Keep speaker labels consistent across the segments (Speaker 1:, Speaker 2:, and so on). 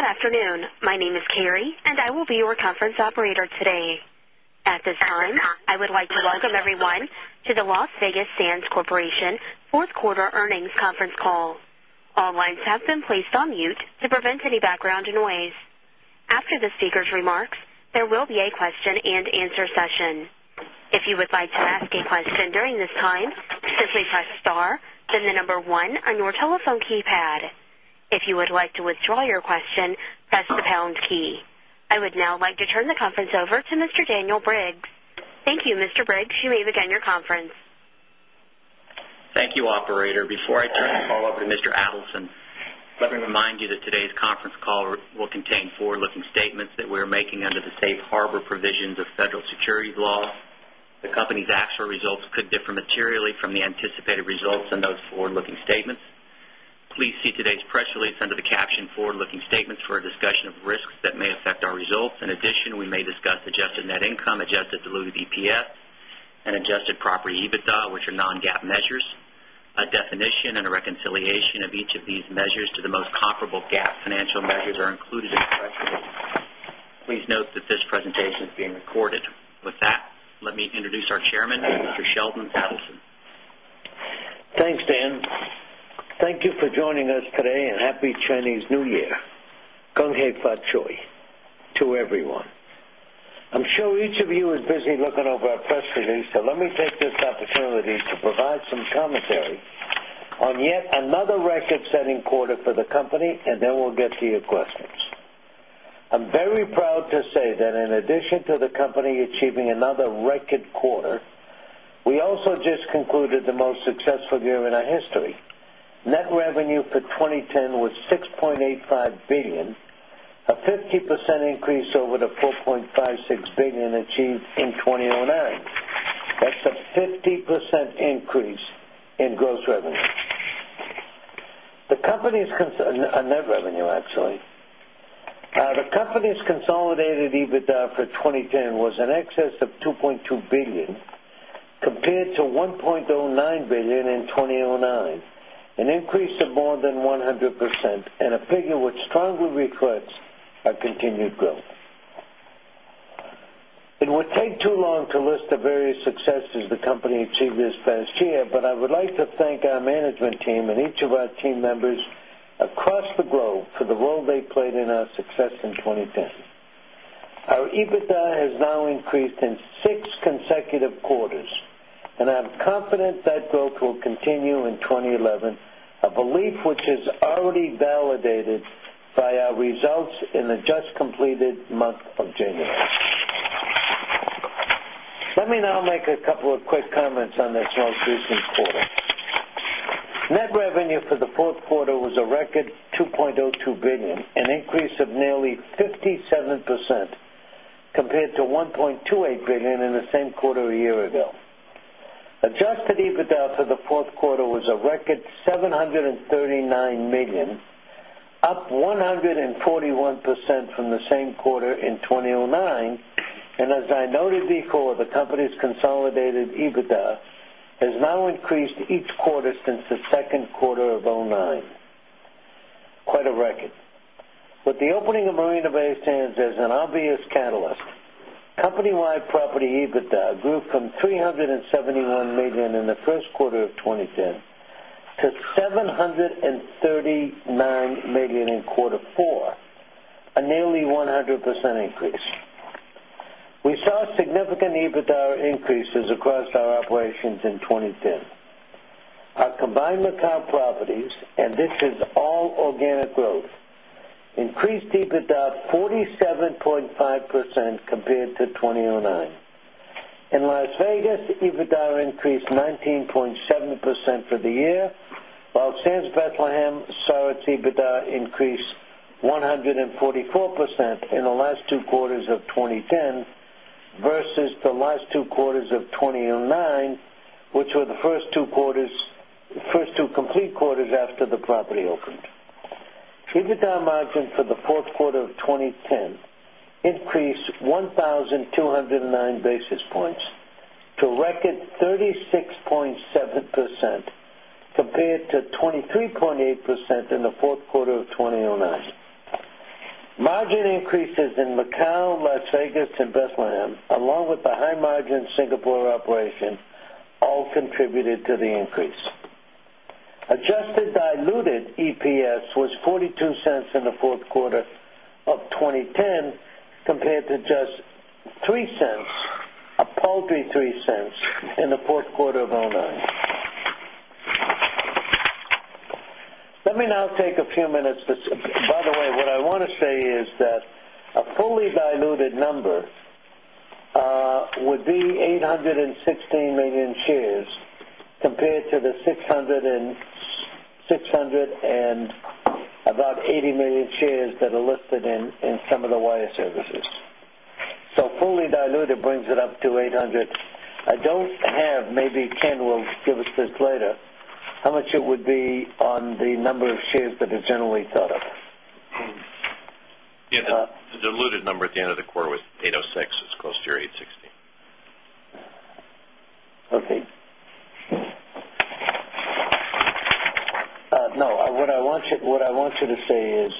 Speaker 1: Good afternoon. My name is Carrie and I will be your conference operator today. At this time, I would like to welcome everyone to the Las Vegas Sands Corporation 4th Quarter Earnings Conference Call. All lines have been placed on mute to prevent any background noise. After the speakers' remarks, there will be a question and answer session. I would now like to turn the conference over to Mr. Daniel Briggs. Thank you. Mr. Briggs, you may begin your
Speaker 2: conference. Thank you, operator. Before I turn the call over to Mr. Adelson, let me remind you that today's conference call will contain forward looking statements that we are making under the Safe Harbor provisions of federal securities laws. The company's actual results could differ materially from the anticipated results in those forward looking statements. Please see today's press release under the caption Forward Looking Statements for a discussion of risks that may affect our results. In addition, we may discuss adjusted net income, adjusted diluted EPS and adjusted property EBITDA, which are non GAAP measures. A definition and a reconciliation of each of these measures to the most comparable GAAP financial measures are included in the press release. Please note that this presentation is being recorded. With that, let me introduce our Chairman, Mr. Sheldon Pedersen.
Speaker 3: Thanks, Dan. Thank you for joining us today and Happy Chinese New Year. To everyone. I'm sure each of you is busy looking over our press release, so let me take this opportunity to provide some commentary on yet another record setting quarter for the company and then we'll get to your questions. I'm very proud to say that in addition to the company achieving another record quarter, we also just concluded the most successful year in our history. Net revenue for 2010 was 6,850,000,000 dollars a 50% increase over the $4,560,000,000 achieved in 20.09. That's a 50% increase in gross revenue. The company's net revenue actually. The company's consolidated net revenue actually. The company's consolidated EBITDA for 2010 was in excess of $2,200,000,000 compared to $1,090,000,000 in 2,009, an increase of more than 100% and a figure which strongly reflects our continued growth. It would take too long to list successes the company achieved this past year, but I would like to thank our management team and each of our team members across the globe for the role they played in our success in 2010. Our EBITDA has now increased in 6 consecutive quarters, and I'm confident that growth will continue in 2011, a belief which is already validated by our results in the just completed month of January. Let me now make a couple of quick comments on this most recent quarter. Net revenue for the 4th quarter was a record $2,020,000,000 an increase of nearly 57% record 7 $39,000,000 up 141% from the same quarter in 2,009. And as I noted before, the company's consolidated EBITDA has now increased each quarter since the Q2 of 'nine, quite a record. With the opening of Marina Bay Sands as an obvious catalyst, company wide property EBITDA grew from $371,000,000 in the Q1 of 2010 to 739,000,000 dollars in quarter 4, a nearly 100% increase. We saw significant EBITDA increases EBITDA 47.5% compared to 2,009. In Las Vegas, EBITDA increased 19 point 7% for the year, while Sands Bethlehem saw its EBITDA increased 144 percent in the last two quarters of 2010 versus the last two quarters of 2,009, which were the first two complete quarters after the property opened. EBITDA margin for the Q4 of 2010 increased 1209 basis points to record 36.7 percent compared to 23 point 8% in the Q4 of 2009. Margin increases in Macau, Las Vegas and Bethlehem along with the high margin Singapore all contributed to the increase. Adjusted diluted EPS was 0.42 dollars in the Q4 of 2010 compared to just 0 point in the Q4 of 2009. Let me now take a few minutes to by the way, what I want to say is that a fully diluted number would be 816 shares compared to the 600 and about 80,000,000 shares that are listed in some of the wire services. So fully diluted brings it up to 800. I don't have maybe Ken will give us this later. How much it would be on the number of shares that are generally thought of?
Speaker 4: The diluted number at the end of quarter was $806,000,000 it's close to your $8.60
Speaker 3: What I want you to say is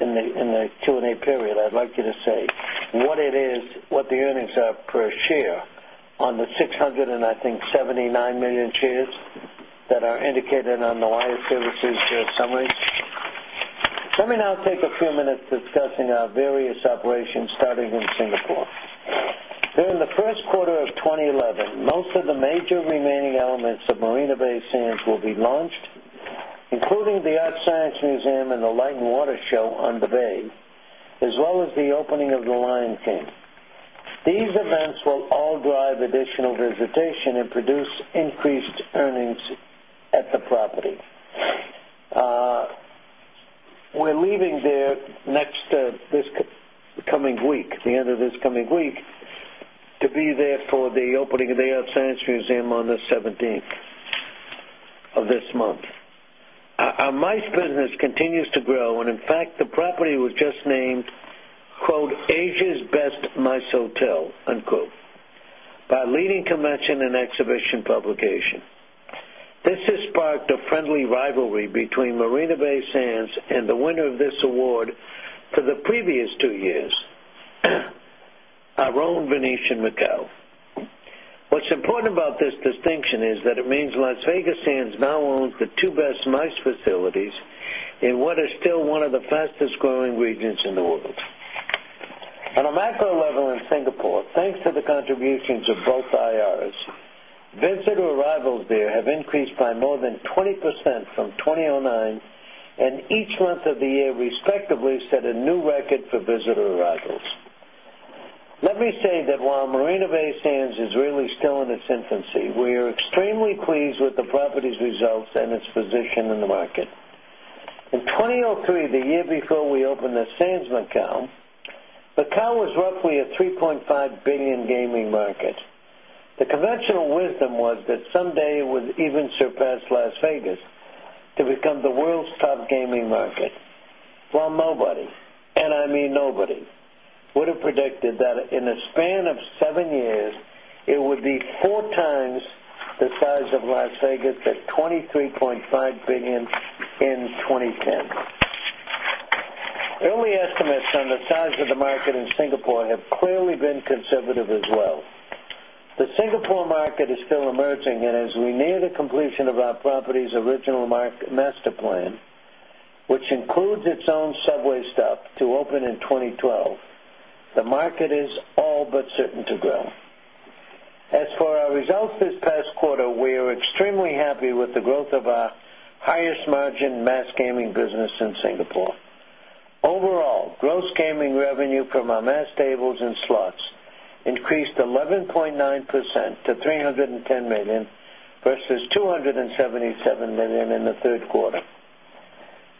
Speaker 3: in the Q and A period, I'd like you to say what it is what the earnings are per share on the 6, I think, 79,000,000 shares that are indicated on the wire services share summary. Let me now take a few minutes discussing our various operations starting in Singapore. During the Q1 of 2011, most of the major remaining elements of Marina Bay Sands will be launched, including the Art Science Museum and the Light and Water Show on the Bay, as well as the opening of the Lion King. These events will all drive additional visitation and produce increased earnings at the property. We're leaving there next this coming week, the end of this coming week to be there for the opening of the Earth Science Museum on 17th of this month. Our MICE business continues to grow. And in fact, the property was just named Asia's Best Mice Hotel by leading convention and exhibition publication. This has sparked a friendly rivalry between Marina Bay Sands and the winner of this award for the previous 2 years, our own Venetian Macau. What's important about this distinction is that it means Las Vegas Sands now owns the 2 best MICE facilities in what is still one of the fastest growing regions in the world. On a macro level in Singapore, thanks to the contributions of both IRs, visitor arrivals there have increased by more than 20% from 2,009 and each month of the year, with the property's results and its position in the market. In 2,003, the year before we opened the Sands Macau, Macau was roughly a a of Las Vegas at $23,500,000,000 in 2010. Early estimates on the size of the market in our property's original master plan, which includes its own subway stop to open in 2012, the market is all but certain to grow. As for our results this past quarter, we are extremely happy with the growth of of our highest margin mass gaming business in Singapore. Overall, gross gaming revenue from our mass stables and slots increased 11.9 percent to $310,000,000 versus $277,000,000 in the 3rd quarter.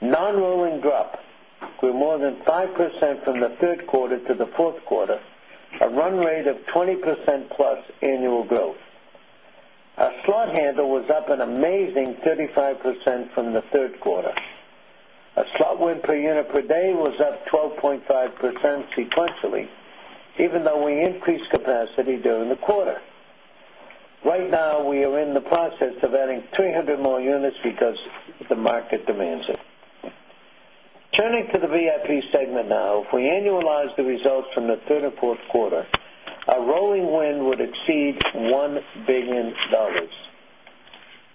Speaker 3: Non rolling drop grew more than 5% from the 3rd quarter to the 4th quarter, a run rate of 20% plus annual growth. Our slot handle was up an amazing 35% from the 3rd quarter. Our slot win per unit per day was up 12.5% sequentially, even though we increased capacity during the quarter. Right now, we are in the process of adding 300 more units because the market demands it. Turning to the VIP segment now. If we annualize the results from the 3rd Q4, our rolling win would exceed $1,000,000,000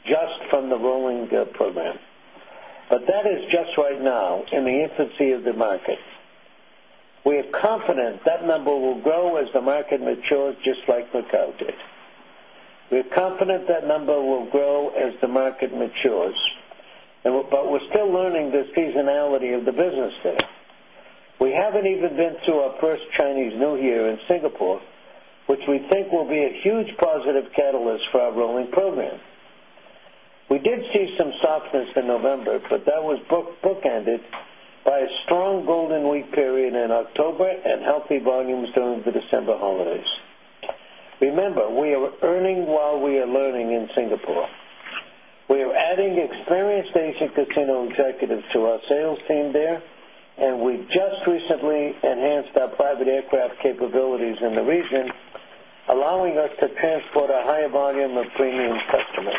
Speaker 3: just from the rolling program, but that is just right now in the infancy of the market. We are confident that number will grow as the market matures just like Lucado did. We are confident that number will grow as the market matures, but we're still learning the seasonality of the business even been through our 1st Chinese New Year in Singapore, which we think will be a huge positive catalyst for our rolling program. We did see some softness in November, but that was bookended by a strong golden week period in October and healthy volumes during the December holidays. Remember, we are earning while we are learning in Singapore. We are adding Experience casino executives to our sales team there and we just recently enhanced our private aircraft capabilities in the region, allowing us to transport a higher volume of premium customers.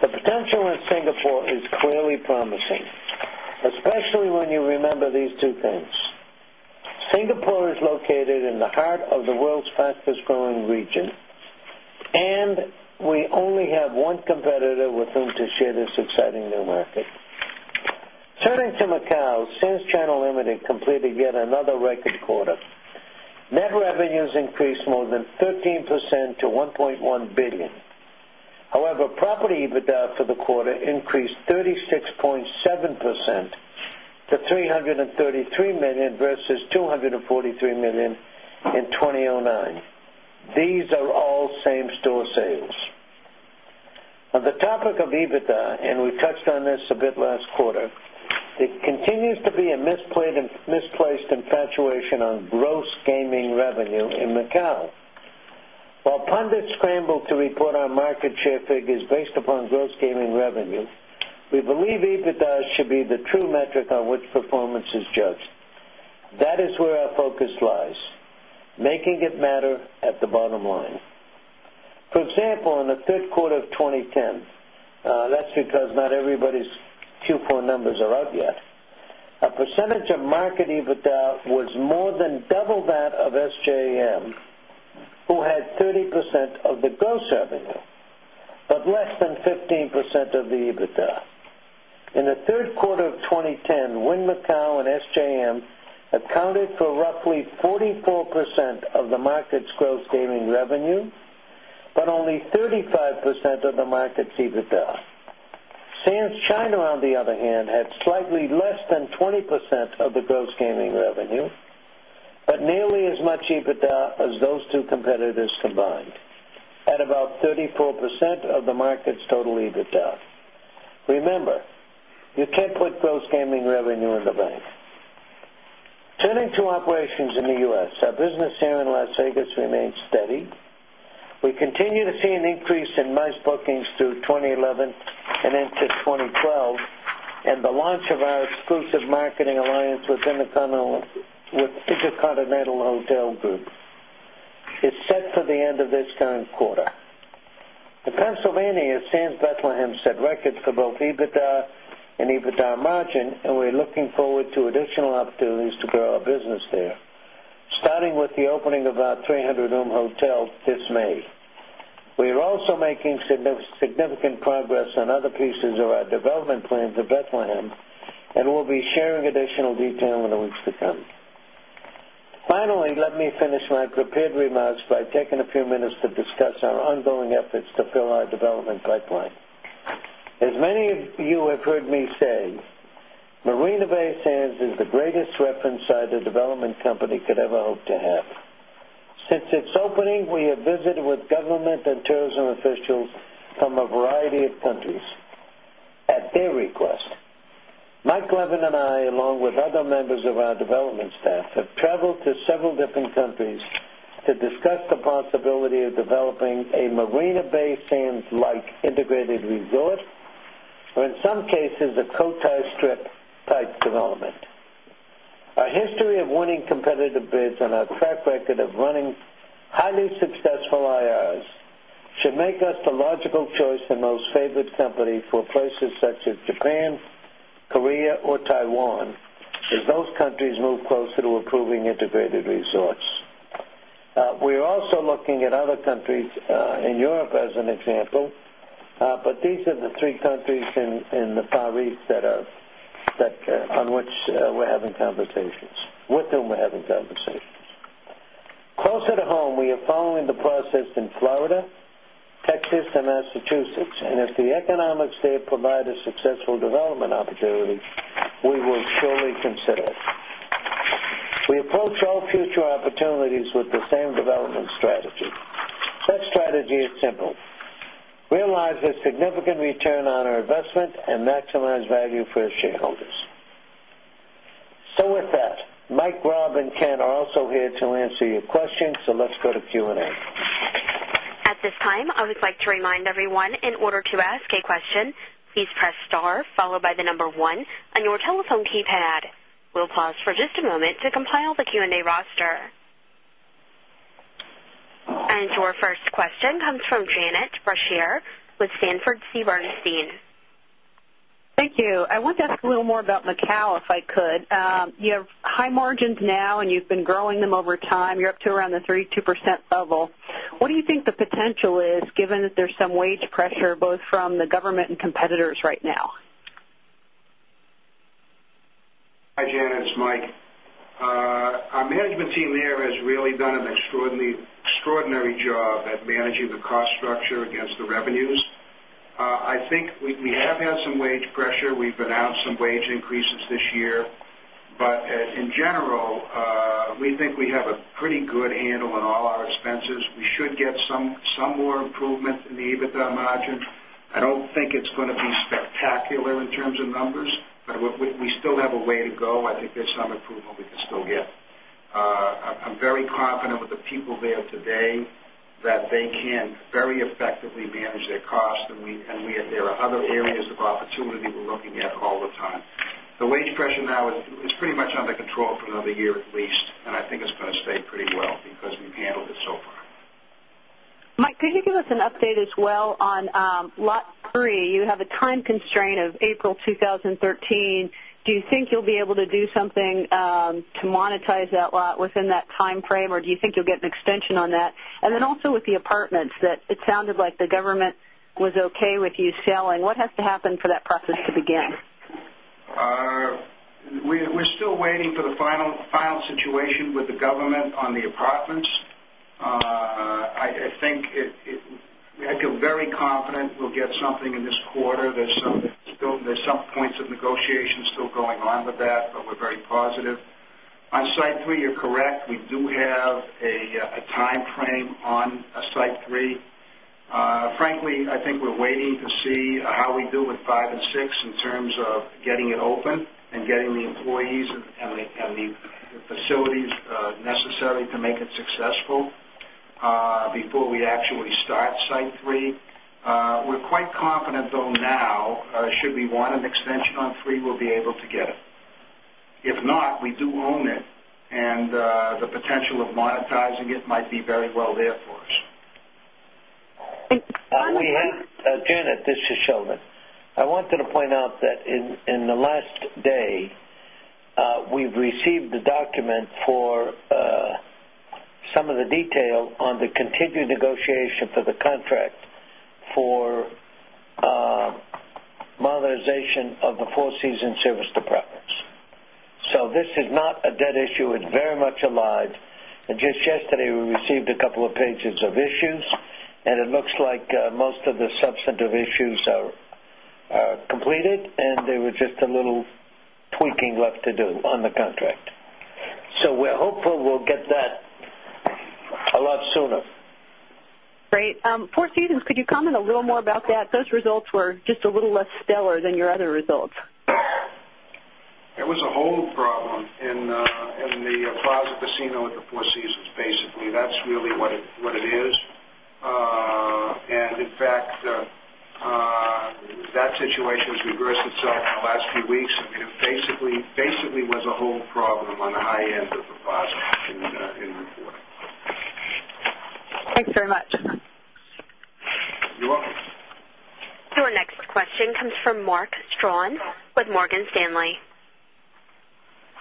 Speaker 3: The potential in Singapore is clearly promising, especially when you remember these two things. Singapore is located in the heart of the world's fastest growing region, and we only have one competitor with whom to share this exciting new market. Turning to Macau, since Channel Limited completed yet another record quarter, net revenues increased more than 13% to 1,100,000,000
Speaker 5: dollars However,
Speaker 3: property EBITDA for the quarter increased 36.7 percent to $333,000,000 versus $243,000,000 in 2,009. These are all same store sales. On the topic of EBITDA, and we touched on this a bit last quarter, it continues to be a misplaced infatuation on gross gaming revenue in Macau. While pundits scramble to report our market share figures figures based upon gross gaming revenue, we believe EBITDA should be the true metric on which performance is judged. That is where our focus lies, making it matter at the bottom line. For example, in the Q3 of 2010, that's because not everybody's Q4 numbers are out yet, a percentage of market EBITDA was more than double that of SJAM, who had 30% of the gross revenue, but less than 15% of the EBITDA. In the Q3 of 2010, Wynn Macau and SJAM accounted for roughly 44% of the market's gross gaming revenue, but only 35% of the market's EBITDA. Sands China, on the other hand, had slightly less than 20% of the gross gaming revenue, but nearly as much EBITDA as those 2 competitors combined at about 34% of the market's total EBITDA. Remember, you can't put gross gaming revenue in the bank. Turning to operations in the U. S. Our business here in Las Vegas remains steady. We continue to see an increase in nice bookings through 2011 and into 2012 and the launch of our exclusive marketing alliance within InterContinental Hotel Group is set for the end of this current quarter. The Pennsylvania Sands Bethlehem set records for both EBITDA and EBITDA margin, and we are looking forward to additional opportunities to grow our business there, starting with the opening of our 300 room hotel this May.
Speaker 5: We are
Speaker 3: also making significant progress on other pieces of our development plans at Bethlehem and we will be sharing additional detail in the weeks to come. Finally, let me finish my prepared remarks by taking a few minutes to discuss our ongoing efforts to fill our development by pipeline. As many of you have heard me say, Marina Bay Sands is the greatest weapon site the development company could ever hope to Since its opening, we have visited with government and terrorism officials from a variety of countries At their request, Mike Levin and I, along with other members of our development staff, have traveled to several different countries to discuss the possibility of developing a Marina Bay Sands like integrated resort or in some cases a co tie strip type development. Our history of winning competitive bids and our track record of running highly successful IRs should make us the logical choice in most favored company for places such as Japan, Korea or Taiwan as those countries move closer to approving integrated resource. We are also looking at other countries in Europe as an example, but these are the 3 countries in the Far East that are on which we're having conversations with whom we're having conversations. Closer to home, we are following the process in Florida, Texas and Massachusetts. And if the economics they have provided successful development opportunity, we will surely consider it. We approach all future opportunities with the same development strategy. That strategy is simple, realize a significant return on our investment and maximize value for shareholders. So with that, Mike, Rob and Ken are also here to answer your questions. So let's go to Q and A.
Speaker 1: And your first question comes from Janet Boucher with Sanford Bernstein.
Speaker 6: Thank you. I want to ask
Speaker 1: a little more about Macau, if I could. You have high margins now and you've been growing them over time. You're up to around the 3% to
Speaker 6: 2% level. What do you think
Speaker 1: the potential is given that there's some wage pressure from the government and competitors right now?
Speaker 5: Hi, Janet, it's Mike. Our management team there has really done an extraordinary job at managing the cost structure against the revenues. I think we have had wage pressure. We've announced some wage increases this year. But in general, we think we have a pretty good handle on all our expenses. We should get some more improvement in the EBITDA margin. I don't think it's going to be spectacular in terms of numbers, but we still have a way to go. I think there's some improvement we can still get. I'm very confident with the people there today that they can very effectively manage their costs and there are other areas of opportunity we're looking at all the time. The wage pressure now is pretty much under control for another year at least and I think it's going to stay pretty well because we've handled it so far.
Speaker 1: Mike, could you give us an update as well on Lot 3? You have a time constraint of April 2013. Do you think you'll be able to do something selling. What has to happen for that process to begin?
Speaker 5: We're still waiting for the final situation with the government on the apartments. I think I feel very confident we'll get something in this quarter. There's some points of negotiation still going on with that, but we're very positive. On-site 3, you're correct. We do have a timeframe on a site 3. Frankly, I think we're waiting to see how we do with 5 and 6 in terms of getting it open and getting the employees and the facilities necessary to make it successful before we actually start Site 3. We're quite confident though now should we want an extension on 3, we'll be able to get it. If not, we do own it and the potential of monetizing it might be very well there for us.
Speaker 3: Janet, this is Sheldon. I wanted to point out that in the last day, we've received the document for some of the detail on the continued negotiation for the contract for modernization of the 4 season service departments. So this is not a dead issue. It's very much alive. And just yesterday, we received a couple of pages of issues, And it looks like most of the substantive issues are completed and there was just a little tweaking left to do on the
Speaker 6: you comment a
Speaker 7: little more about that? Those results were just a little less stellar than your other results.
Speaker 5: There was a whole problem in the Plaza Casino at the Four Seasons basically. That's really what it is. And in fact, that situation has reversed itself in the last few weeks. I mean, it basically was a whole problem on the high end of the process in reporting.
Speaker 6: Thanks very much.
Speaker 5: You're welcome.
Speaker 1: Your next question comes from Mark Strawn with Morgan Stanley.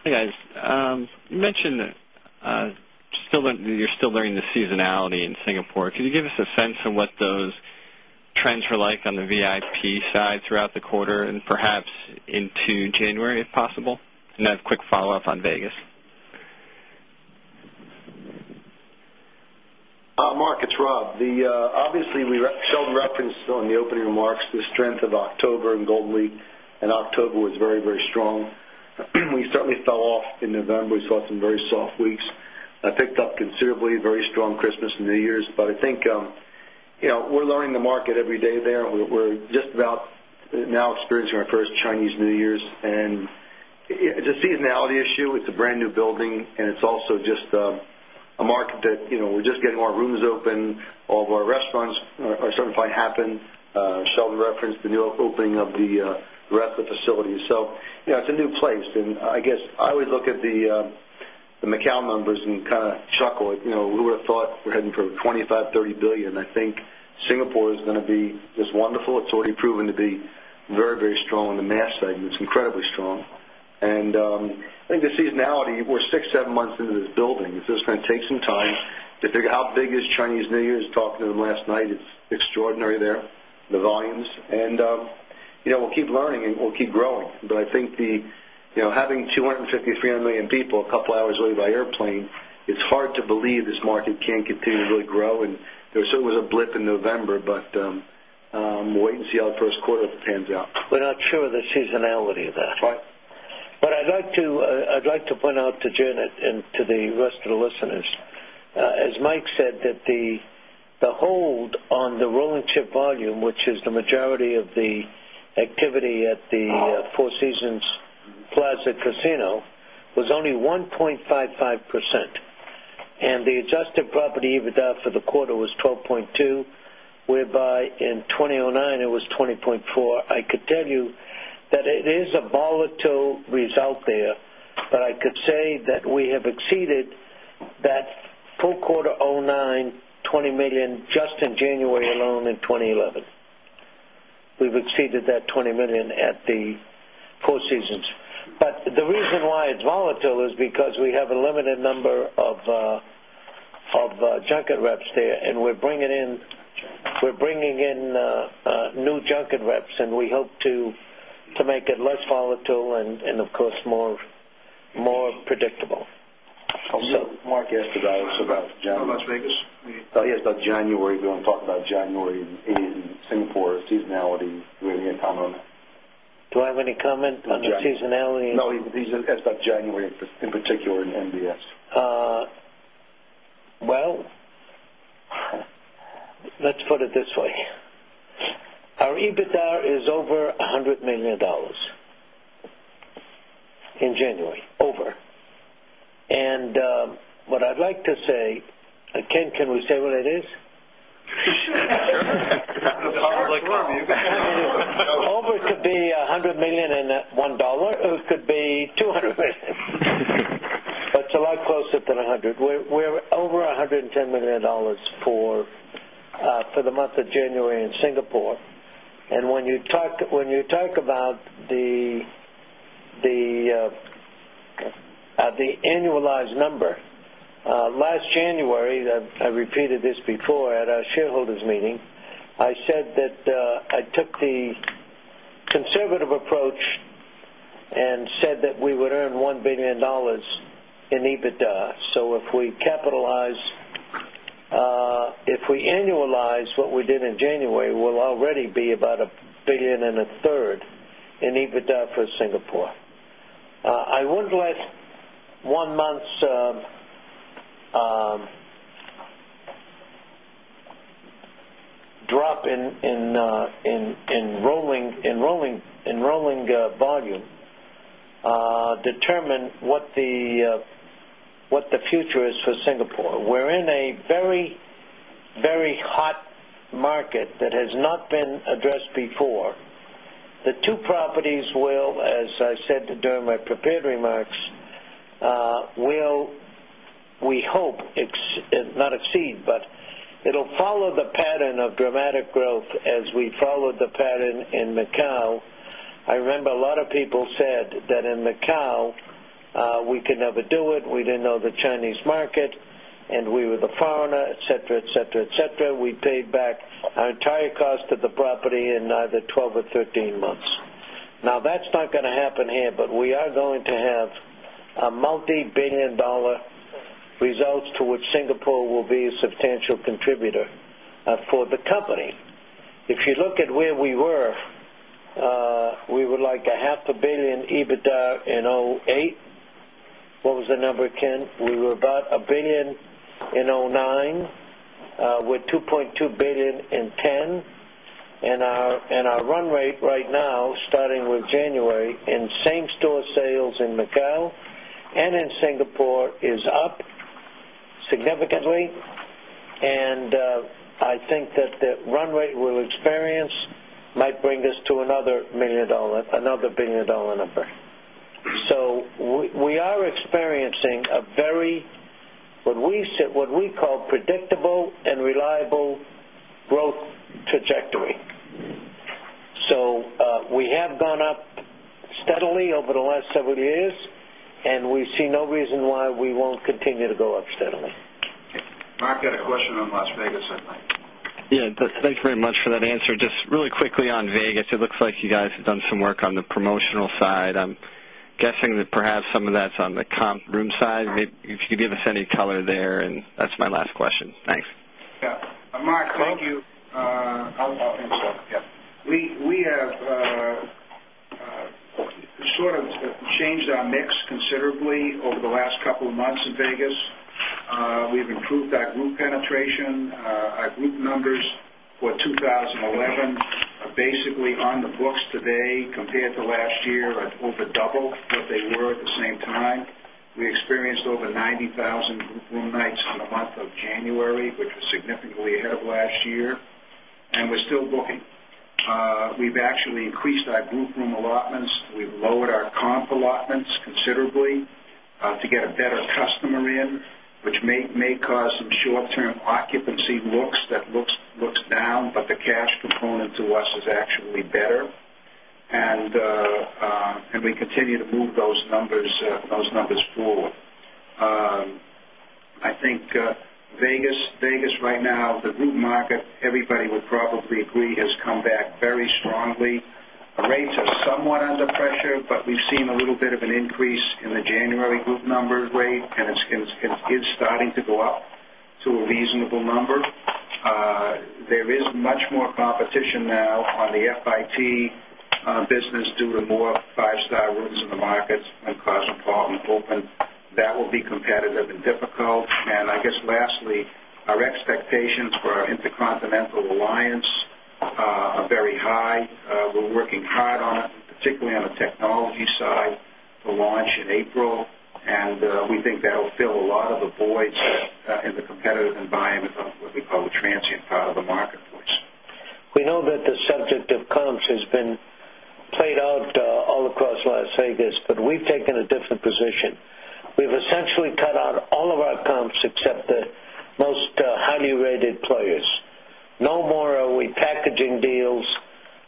Speaker 8: Hi, guys. You mentioned that you're still learning the seasonality in Singapore. Can you give us a sense of what those trends were like on the VIP side throughout the quarter and perhaps into January if possible? And then a quick follow-up on Vegas.
Speaker 9: Mark, it's Rob. Obviously, Sheldon referenced on the opening remarks, the strength of October in Golden League and October was very, very strong. We certainly fell off in November. We saw some very soft weeks that picked up considerably very strong Christmas and New Year's. But I think we're learning the market every day there and we're just about now experiencing our first Chinese New Year's. And it's a seasonality issue. It's a brand new building and it's also just a market that we're just getting our rooms open, all of our restaurants are starting to happen. Sheldon referenced the new opening of the rest of the facilities. So, it's a new place. And I guess, I would look at the Macau numbers and kind of chuckle it. We would have thought we're heading for $25,000,000,000 $30,000,000,000 I think Singapore is going to be is wonderful. It's already proven to be very, very strong in the mass segment. It's incredibly strong. And I think the seasonality, we're 6 months, 7 months into this building. This is going to take some time to figure out how big is Chinese New Year's talking to them last night, it's extraordinary there, the volumes. And we'll keep learning and we'll keep growing. But I think the having 250, 300,000,000 people a couple of hours early by airplane, it's hard believe this market can continue to really grow and there was a blip in November, but we'll wait and
Speaker 3: see how the Q1 pans out. We're not sure of the seasonality of that. That's right. But I'd like to point out to Janet and to the rest of the listeners, as Mike said that the hold on the rolling chip volume, which is the majority of the activity at the Four Seasons Plaza Casino was only 1.55%. And the adjusted property EBITDA for the quarter was 12.2%, whereby in 2,009, it was 20.4%. I could tell you that it is a volatile result there, but I could say that we have exceeded that full quarter 'nine, dollars 20,000,000 just in January alone in volatile is because we have a limited number of junket reps there and we're bringing in new junket reps and we hope to make it less volatile and of course more
Speaker 9: predictable. Mark, yesterday was about Las Vegas. Yes, about January, you're going to talk about January in Singapore, seasonality really in the economy.
Speaker 3: Do I have any comment on the seasonality?
Speaker 9: No, as of January, in particular in MBS.
Speaker 3: Well, let's put it this way. Our EBITDA is over $100,000,000 in January, over. And what I'd like to say, Ken, can we say what it is? Sure. All of it could be $100,000,000 and one dollars could be $200,000,000 That's a lot closer than $100,000,000 We're over $110,000,000 for the month of January in Singapore. And when you talk about the annualized number, last January, I repeated this before at our shareholders meeting, I said that I took the conservative approach and said that we would earn $1,000,000,000 in EBITDA. So if we capitalize if we annualize what we did in January, we'll already be about $1,000,000,000 in EBITDA for Singapore. I wouldn't let 1 month's drop in rolling volume determine what the future is for Singapore. We're in a very, very hot market that has not been addressed before. The 2 properties will, as I said during my prepared remarks, we hope not exceed, but it will follow the pattern of dramatic we could never do it. We we could never do it. We didn't know the Chinese market and we were the foreigner, etcetera, etcetera, etcetera. We paid back our entire cost of the property substantial contributor for to which Singapore will be a substantial contributor for the company. If you look at where we were, we would like a 0.5 $1,000,000,000 EBITDA in 2008. What was the number, Ken? We were about $1,000,000,000 in 2009 'nine with $2,200,000,000 in 'ten. And our run rate right now starting with January in same store sales in Macau and in Singapore is up significantly. And I think that the run rate we'll experience might bring us to another $1,000,000,000 number. So we are experiencing a very what we call predictable and reliable growth trajectory. So we have gone up steadily over the last several years and we see no reason why we won't continue to go up steadily.
Speaker 5: Mark, I've got a question on Las Vegas, I think.
Speaker 8: Yes. Thanks very much for that answer. Just really quickly on Vegas, it looks like you guys have done some work on the promotional side. I'm guessing that perhaps some of that's on the comp room side. Maybe if you could give us any color there? And that's my last question. Thanks.
Speaker 5: Yes. Mark, thank you. We have sort of changed our mix considerably over the last couple of months in Vegas. We have improved our group penetration. Our group numbers for 2011 are basically on the books today compared to last year at over double what they were at the same time. We experienced over 90,000 room nights in the month of January, which was significantly ahead of last year and we're still booking. We've actually increased our group room allotments. We've lowered our comp allotments considerably to get a better customer in, which may cause some short term occupancy looks that looks down, but the cash component to us is actually better. And we continue to move those numbers forward. I think Vegas right now the group market everybody would probably agree has come back very strongly. Rates are somewhat under pressure, but we've seen a little bit of an increase in the January group number rate and it's starting to go up to a reasonable number. There is much more competition now on the FIT business due to more 5 star rooms in the markets and cause a problem to open. That will be competitive and difficult. And I guess lastly, our expectations for April. And we think that will fill a lot of the voids that April. And we think that will fill a lot of the voids in the competitive environment, what we call the transient part of the marketplace.
Speaker 3: We know that the subject of comps has been played out all across Las Vegas, but we've taken a different position. We've essentially cut out all of our comps except the most highly rated players. No more are we packaging deals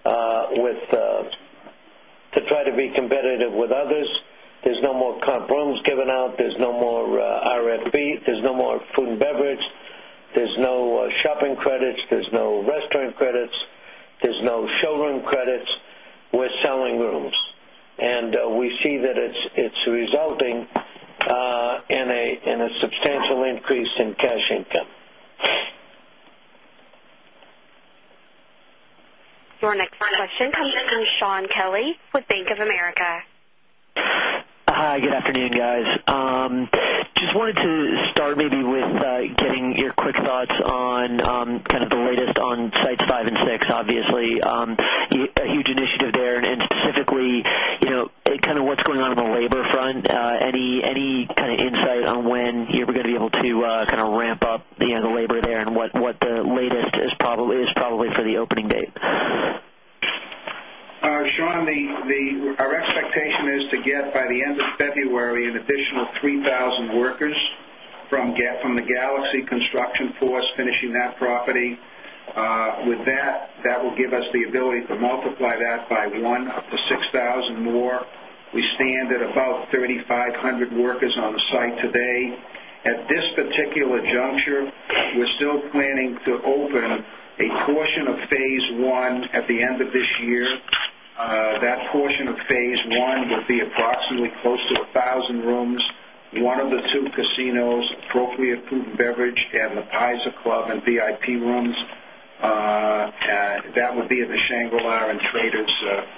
Speaker 3: with to try to be competitive with others. There's no more comp rooms given out. There's no more RFP. There's no food and beverage. There's no shopping credits. There's no restaurant credits. There's no showroom credits. We're selling rooms. And we see that it's resulting in a substantial increase in cash income.
Speaker 1: Your next line question comes from Shaun Kelley with Bank of America.
Speaker 10: Hi, good afternoon guys. Just wanted to start maybe with getting your quick thoughts on kind of the latest on Sites 56, obviously, a huge initiative there. And specifically, kind of what's going on in the labor front, Any kind of insight on when you're going to be able to kind of ramp up the labor there? And what the latest is probably for the
Speaker 5: 3,000 workers from the Galaxy construction force finishing that property. With that, that will give us the ability to multiply that by 1 up to 6,000 more. We stand at about 3,500 workers on the site today. At this particular juncture, we're still planning to open a portion of Phase 1 at the end of this year. That portion of Phase I will be approximately close to 1,000 rooms. 1 of the 2 casinos, appropriate food and beverage and the paisa club and VIP rooms, that would be at the Shangri La and Traders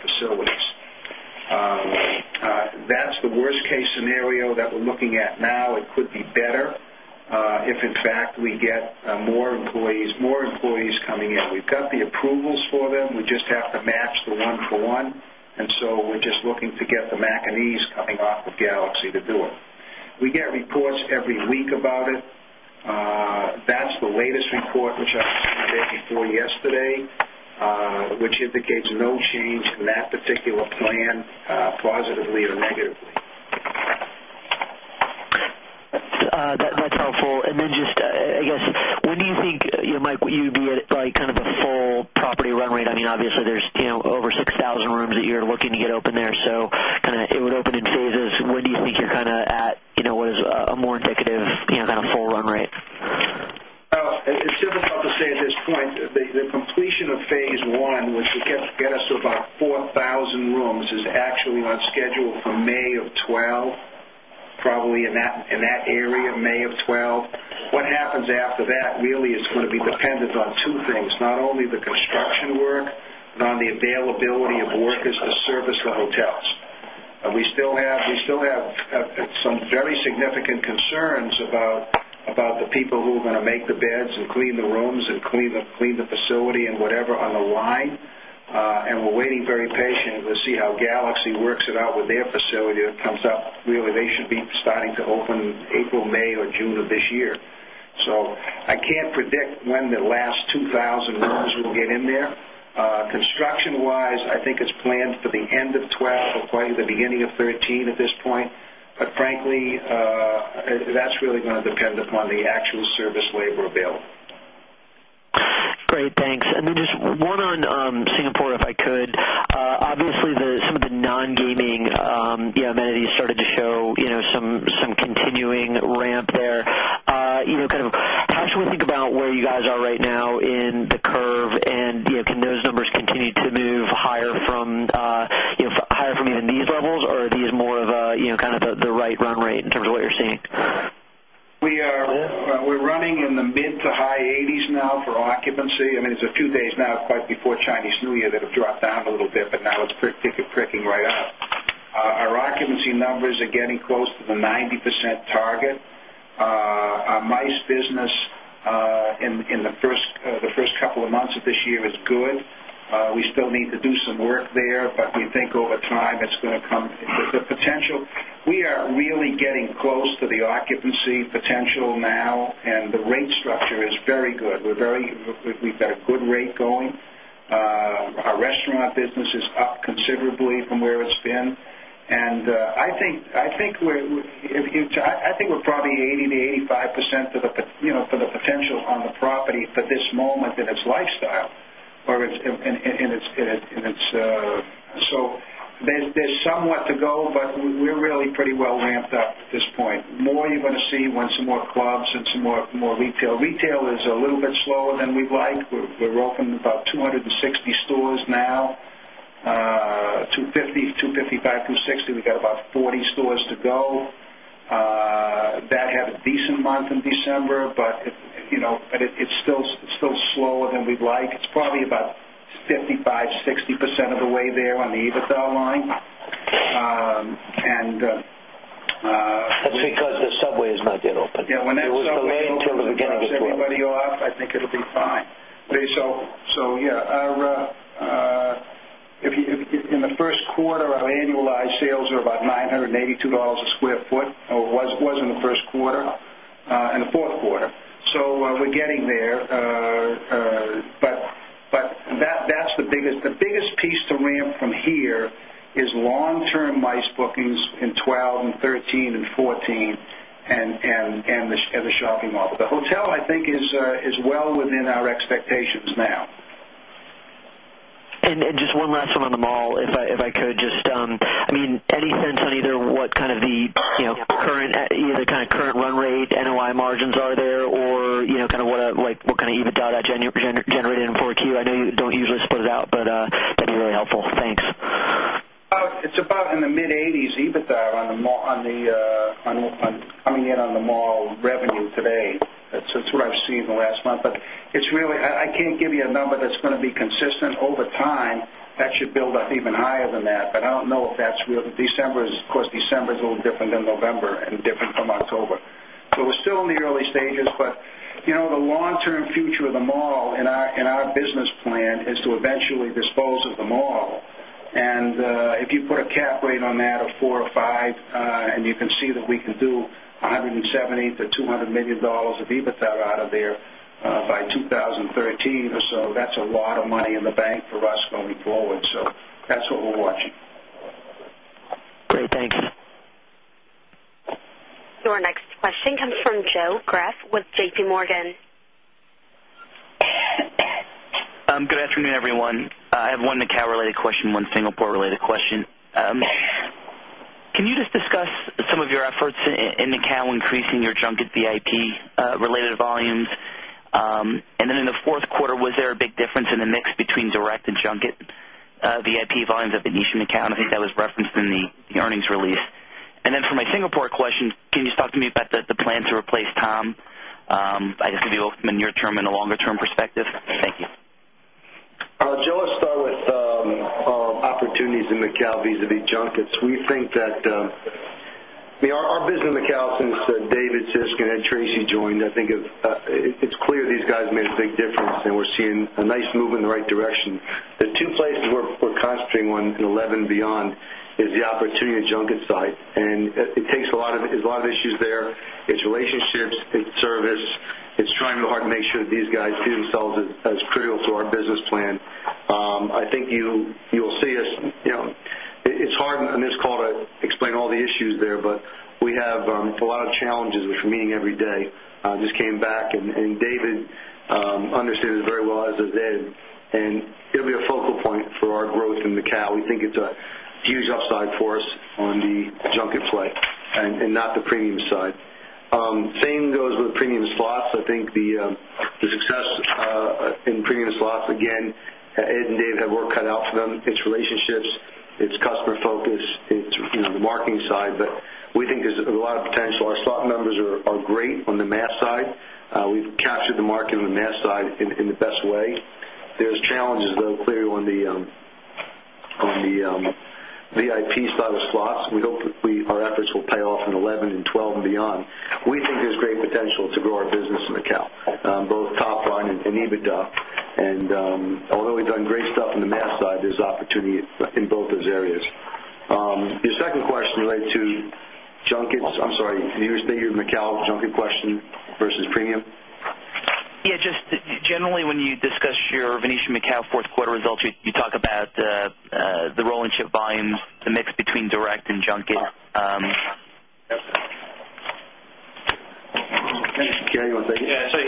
Speaker 5: facilities. That's the worst case scenario that we're looking at now. It could be better if in fact we get more employees coming in. We've got the approvals for them. We just have to match the one for 1. And so we're just looking to get the McNeese coming off of Galaxy to do it. We get reports every week about it. That's the latest report, which I've seen the day before yesterday, which indicates no change in that particular plan positively or negatively.
Speaker 10: That's helpful. And then just I guess when do you think Mike you'd be at like kind of a full property run rate? I mean obviously there's over 6,000 rooms you're looking to get open there. So kind of it would open in phases. When do you think you're kind of at was a more indicative kind of full run rate?
Speaker 5: It's difficult to say at this point, the completion of Phase 1, which will get us to about 4,000 rooms is actually on schedule to get
Speaker 9: us to about 4,000
Speaker 5: rooms is actually on schedule for May of 'twelve, probably in that area May of 'twelve. What happens after that really is going to be dependent on 2 things, not only the construction work and on the availability of workers to service the hotels. We still have some very significant concerns about the people who are going to make the beds and clean the rooms and clean the facility and whatever on the line. And we're waiting very patiently to see how Galaxy works it out with their facility. It comes up really they should be starting to open April, May or June of this year. So I can't predict when the last 2,000 rooms will get in there. Construction wise, I think it's planned for the end of 'twelve or probably the beginning of 'thirteen at this point. But frankly, that's really going to depend upon the actual service labor available.
Speaker 10: Great. Thanks. And then just one on Singapore, if I could. Obviously, some of the non gaming started to show some continuing ramp there. How should we think about where you guys are right now in the curve? And can those numbers continue to move higher from even these levels? Or are these more of a kind of the right run rate in terms of what you're
Speaker 5: seeing? We're running in the mid to high 80s now for occupancy. I mean, it's a few days now quite before Chinese New Year that have dropped down a little bit, but now it's pretty kicking right up. Our occupancy numbers are getting close to the 90% target. Our MICE business in the 1st couple of months of this year is good. We still need to do some work there, but we think over time it's going to come with the potential. We are really getting close to the occupancy potential now the rate structure is very good. We're very we've got a good rate going. Our restaurant business is up considerably from where it's been. And I think we're probably 80% to 85% for the potential on the property
Speaker 3: for this moment in its lifestyle or in its
Speaker 5: pretty well ramped up at this point. More you're going to see when some more clubs and some more retail. Retail is a little bit slower than we like. We're open about 2 60 stores now, 2 50 255, 260. We've got about 40 stores to go that had a decent month in December, but it's still slower than we'd like. It's probably about 55%, sixty percent of the way there on the EBITDA line. And
Speaker 3: That's because the subway is not
Speaker 5: yet open. Yes. When that's If we take anybody off, I think it will be fine. So yes, our if you in the Q1, our annualized sales were about $9.82 a square foot or was in the Q1 and the Q4. So we're getting there. But that's the biggest piece to ramp from here is long term MICE bookings in 'twelve and 2013, 2014 and the shopping mall. The hotel I think is well within our expectations now.
Speaker 11: And just one last one on the
Speaker 10: mall if I could. Just I mean any sense on either what kind of the current either current run rate NOI margins are there or kind of what like what kind of EBITDA that generated in 4Q? I know you don't usually split it out, but that'd be really helpful. Thanks.
Speaker 5: It's about in the mid-80s EBITDA on the coming in on the mall revenue today. That's what I've seen in the last month. But it's really I can't give you a number that's going to be consistent over time. That should build up even higher than that. But I don't know if that's real. December is of course, December is a little different than November and different from October. So we're still in the early stages. But the long term future of the mall and our business plan is to eventually dispose of the mall. And if you put a cap rate on that of 4 or 5 and you can see that we can do $170,000,000 to $200,000,000 of EBITDA out of there by 2013 or so. That's a lot of money in the bank for us going forward. So that's what we're watching.
Speaker 10: Great. Thanks.
Speaker 1: Your next question comes from Joe Greff with JPMorgan.
Speaker 12: Good afternoon, everyone. I have one Macao related question, one Singapore related question. Can you just discuss some of your efforts in Nikkal increasing your junket VIP related volumes? And then in the Q4, was there a big difference in the mix between direct and junket VIP volumes at the niche and the cow? I think that was referenced in the earnings release? And then for my Singapore question, can you just talk to me about the plan to replace Tom, by just giving you a near term and a longer term perspective? Thank you.
Speaker 9: Joe, let's start with opportunities in Macao visavis junkets. We think that our business in Macao since David, Siskin and Tracy joined, I think it's clear these guys made a big difference and we're seeing a nice move in the right direction. The 2 places we're concentrating on in 11 beyond is the opportunity in the junket side. And it takes a lot of there's a lot of issues there. It's relationships. It's service. It's trying to hard make sure that these guys do themselves as critical to our business plan. I think you'll see us it's hard on this call to explain all the issues there, but we have a lot of challenges, which we're meeting every day. This came back and David understands it very well as is Ed. And it will be a focal point for our growth in Macao. We think it's a huge upside for us on the junket play and not the premium side. Same goes with premium slots. I think the success in premium slots, again, Ed and Dave have work cut out for them. It's relationships. It's customer focus. It's the marketing side. But we think there's a lot of potential. Our slot numbers are great on the mass side. We've captured the market on the mass side in the best way. There's challenges though clearly VIP side of slots. We hope that we our efforts will pay off in 2011 and 2012 and beyond. We think there's great potential to grow our business in Macao, both top line and EBITDA. And although we've done great stuff in the mass side, there's opportunity in both those areas. Your second question related to junkets I'm sorry, can you just take your Macao junket question versus premium?
Speaker 12: Just generally when you discuss your Venetian Macau 4th quarter results, you talk about the rolling chip volumes, the mix between direct and junket.
Speaker 9: Gary, you want to take it?
Speaker 3: Yes. So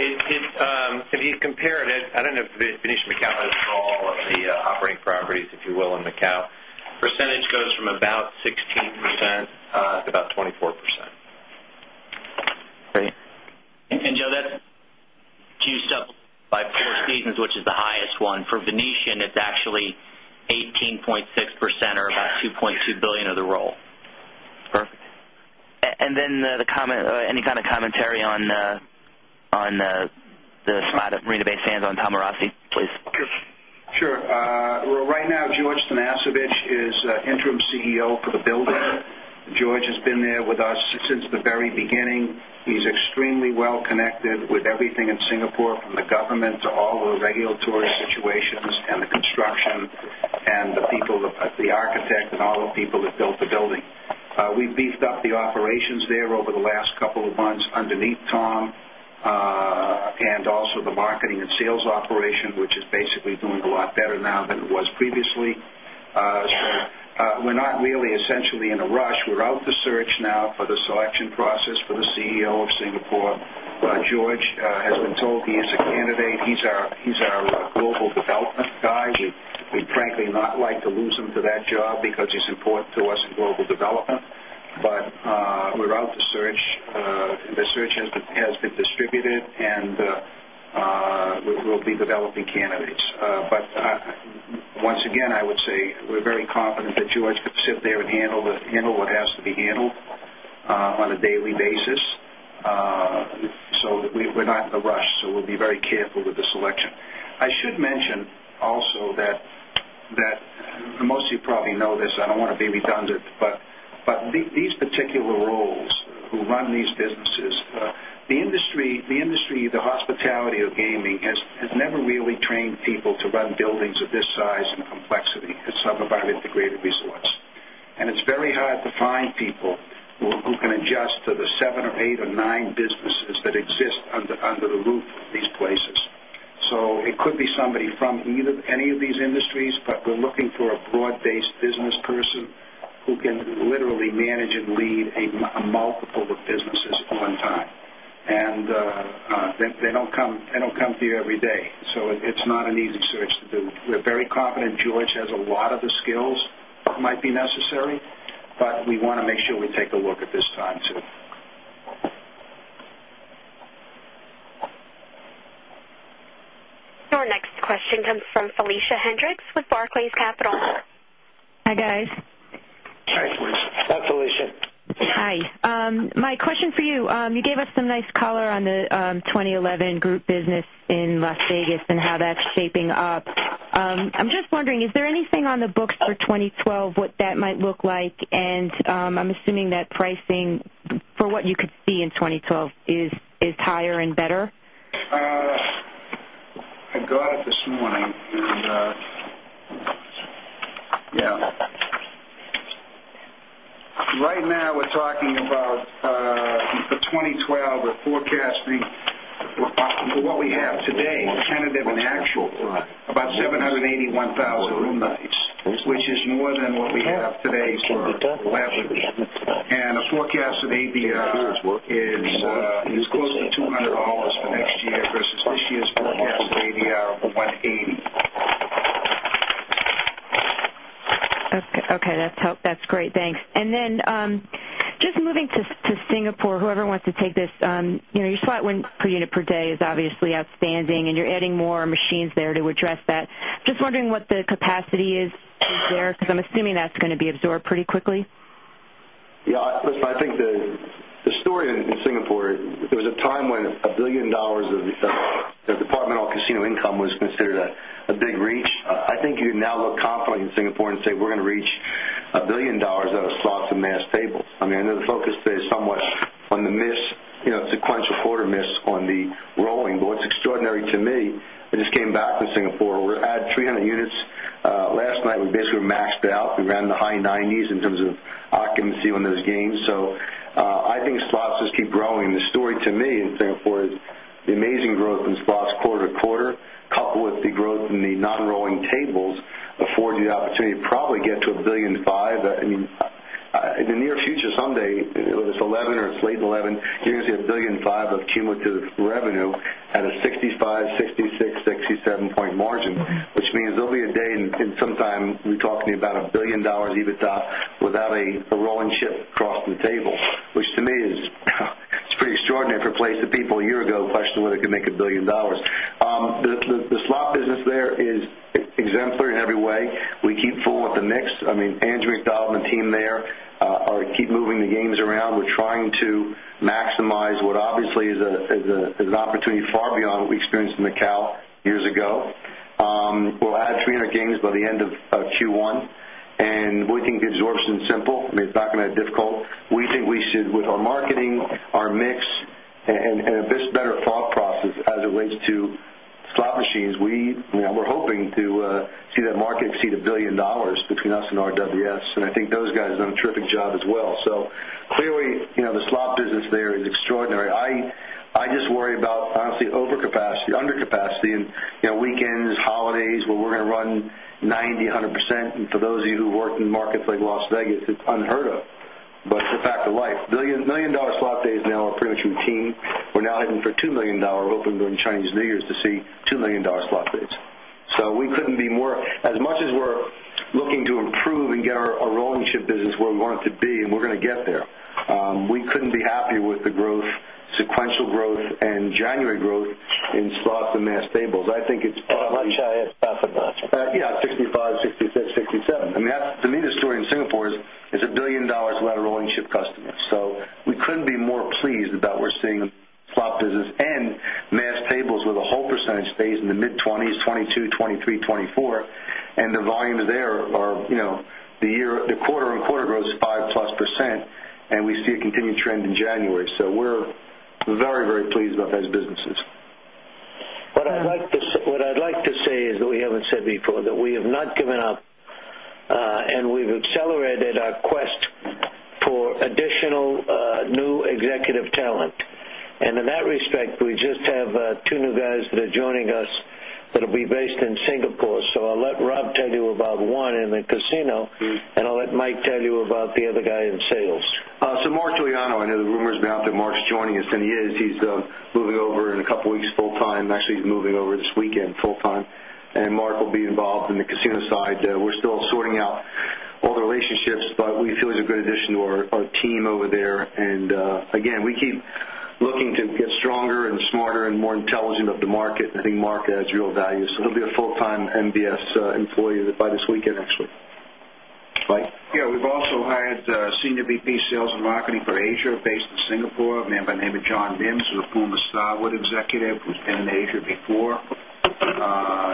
Speaker 4: if you compare it, I don't know if
Speaker 3: Venetian Macau has
Speaker 4: all of the operating properties, if you will, in Macau. Percentage goes from about 16% to about 24
Speaker 3: percent. Okay.
Speaker 2: And Joe that's used up by 4 seasons, which is the highest one. For Venetian, it's 18.6 percent or about $2,200,000,000 of the roll.
Speaker 5: Perfect.
Speaker 12: And then the comment or any kind of commentary on the spot at Marina Bay Sands on Tomarazzi, please?
Speaker 5: Sure. Right now, George Tanasevich is Interim CEO for the building. George has been there with us since the very beginning. He is extremely well connected with everything in Singapore from the government to all the regulatory situations and the construction and the people the architect and all the people that built the building. We beefed up the operations there over the last couple of months underneath Tom and also the marketing and sales operation, which is basically doing a lot better now than it was previously. So we're not really essentially in a rush. We're out the search now for the selection process for the CEO of Singapore. George has been told he is a candidate. He's our global development guy. We frankly not like to lose him to job because it's important to us in global development. But we're out to search and the search has been distributed and we'll be developing candidates. But once again, I would say, we're very confident that George could sit there and handle what has to be handled on a daily basis. So we're not in a rush. So we'll be very careful with the selection. I should mention also that most of you probably know this, I don't want to be redundant, but these particular roles who run these some of our integrated resource. And it's very hard to find and complexity at some of our integrated resorts. And it's very hard to find people who can adjust to the 7 or 8 or 9 businesses that exist under the roof of these places. So it could be somebody from any of these industries, but we're looking for a broad based business person who can literally manage and lead a multiple of businesses on time. And they don't come to you every day. So it's not an easy search to do. We're very confident George has a lot of the skills that might be necessary, but we want to make sure we take a look at this time
Speaker 1: too. Your next question comes from Felicia Hendrix Barclays Capital.
Speaker 13: Hi, guys.
Speaker 3: Hi, Felicia.
Speaker 13: Hi. My question for you, you gave us some nice color on the 2011 group business in Las Vegas and how that's shaping up. I'm just wondering, is there anything on the books for 2012, what that might look like? And, I'm assuming that pricing for what you could see in 2012 is higher and better?
Speaker 5: I got it this morning. Yes. Right now we're talking about for 2012, we're forecasting what we have today, tentative and actual, about 781,000 room nights, which is more what we have today for the last year. And our forecasted ABR is close to 2 $100 for next year versus this year's forecast of ABR of $180,000,000
Speaker 13: Okay. That's great. Thanks. And then just moving to Singapore, whoever wants to take this, your slot win per unit per day is obviously outstanding and you're adding more machines there to address that. Just wondering what the capacity is there because I'm assuming that's going to be absorbed pretty quickly?
Speaker 9: Yes. Listen, I think the story in Singapore, there was a time when $1,000,000,000 of the departmental casino income was considered a big reach. I think you now look confident in Singapore and say we're going to reach $1,000,000,000 out of slots and mass tables. I mean, I know the focus is somewhat on the miss, sequential quarter miss on the rolling boards. Extraordinary to me, I just came back from Singapore. We had 300 units last night. We basically maxed out. We ran in the high 90s in terms of occupancy on those gains. So I think slots just keep growing. The story to me in Singapore is the amazing growth in slots quarter to quarter coupled with the growth in the non rolling tables affords you the opportunity to probably get to $1,500,000,000 I mean in the near future someday it's 11 or it's late 11,000,000,000 you're going to see $1,500,000,000 of cumulative revenue at a 65, 66, 67 point margin, which means there'll be a day in some time we're talking about $1,000,000,000 EBITDA without a rolling ship across the table, which to me is pretty extraordinary for a place of people a year ago question whether it can make $1,000,000,000 The slot business there is exemplary in every way. We keep full with the mix. I mean, Andrew McDowell and the team there are keep moving the games around. We're trying to maximize what obviously an opportunity far beyond what we experienced in Macau years ago. We'll add 300 games by the end of Q1. And we think the absorption is simple, made back in that difficult. We think we should with our marketing, our mix and this better thought process as it relates to slot machines, we're hoping to see that market exceed $1,000,000,000 between us and RWS. And I think those guys have done a terrific job as well. So clearly, the slot business there is extraordinary. I just worry about, honestly, overcapacity, undercapacity in weekends, holidays, where we're going to run 90%, 100%. And for those of you who work in markets like Las Vegas, it's unheard of. But it's a fact of life. Dollars 1,000,000 slot days now are pretty much routine. We're now heading for $2,000,000 open during Chinese New Year's to see $2,000,000 slot days. So we couldn't be more as much as we're looking to improve and get our rolling ship business where we want it to be and we're going to get there. We couldn't be happy with the growth, sequential growth and January growth in slots and mass tables. I think it's Yes, 65, 66, 67. I mean, to me, the story in Singapore is $1,000,000,000 lateral and ship customers. So we couldn't be more pleased that we're seeing the swap business and mass tables with
Speaker 5: a whole percentage base in
Speaker 9: the mid '20s, 'twenty two, 'twenty three, 'twenty four and the volumes there are the year the quarter on quarter growth is 5 plus percent and we see a continued trend in January. So we're very, very pleased about those businesses.
Speaker 3: What I'd like to say is that we haven't said before that we have not given up and we've accelerated our quest for additional new executive talent. And in that respect, we just have 2 new guys that are joining us that will be based in Singapore. So I'll let Rob tell you about 1 in the casino and I'll let Mike tell you about the other guy in sales.
Speaker 9: So Mark Giuliano, I know the rumor has been out that Mark is joining us and he is. He's moving over in a couple of weeks full time. Actually, he's moving over this weekend full time. And Mark will be involved in the casino side. We're still sorting out all the relationships, but we feel he's a good addition to our team over there. And again, we keep looking to get stronger and smarter and more intelligent of the market. I think market adds real value. So it will be a full time MBS employee by this weekend actually. Mike?
Speaker 5: Yes. We've also hired Senior VP Sales and Marketing for Asia based in Singapore, a man by the name of John Bimbs, a former Starwood executive who's been in Asia before.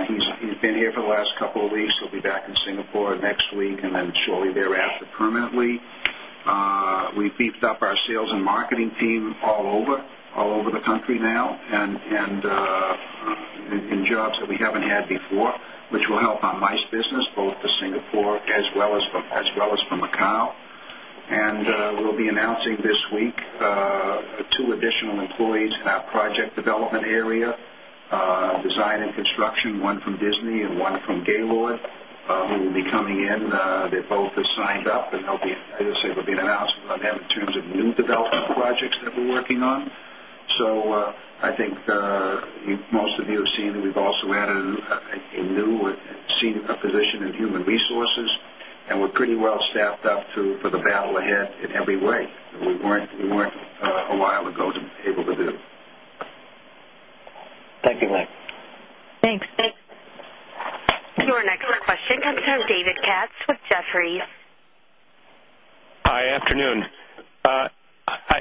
Speaker 5: He's been here for the last couple of weeks. He'll be back in Singapore next week and then shortly thereafter permanently. We beefed up our sales and marketing team all over the country now and in jobs that we haven't had before, which will help our MICE business both for Singapore as well as for Macao. And we'll be announcing this week 2 additional employees in our project development area, design and construction, 1 from Disney and one from Gaylord, who will be coming in. They both have signed up and they'll be they will be announced by them in terms of new development projects that we're working on. So I think most of you have seen that we've also added a new position in human resources and we're pretty well staffed up to for the battle ahead in every way that we weren't a while ago able to do.
Speaker 3: Thank you, Mike. Thanks.
Speaker 1: Your next question comes from David Katz with Jefferies.
Speaker 4: Hi, afternoon.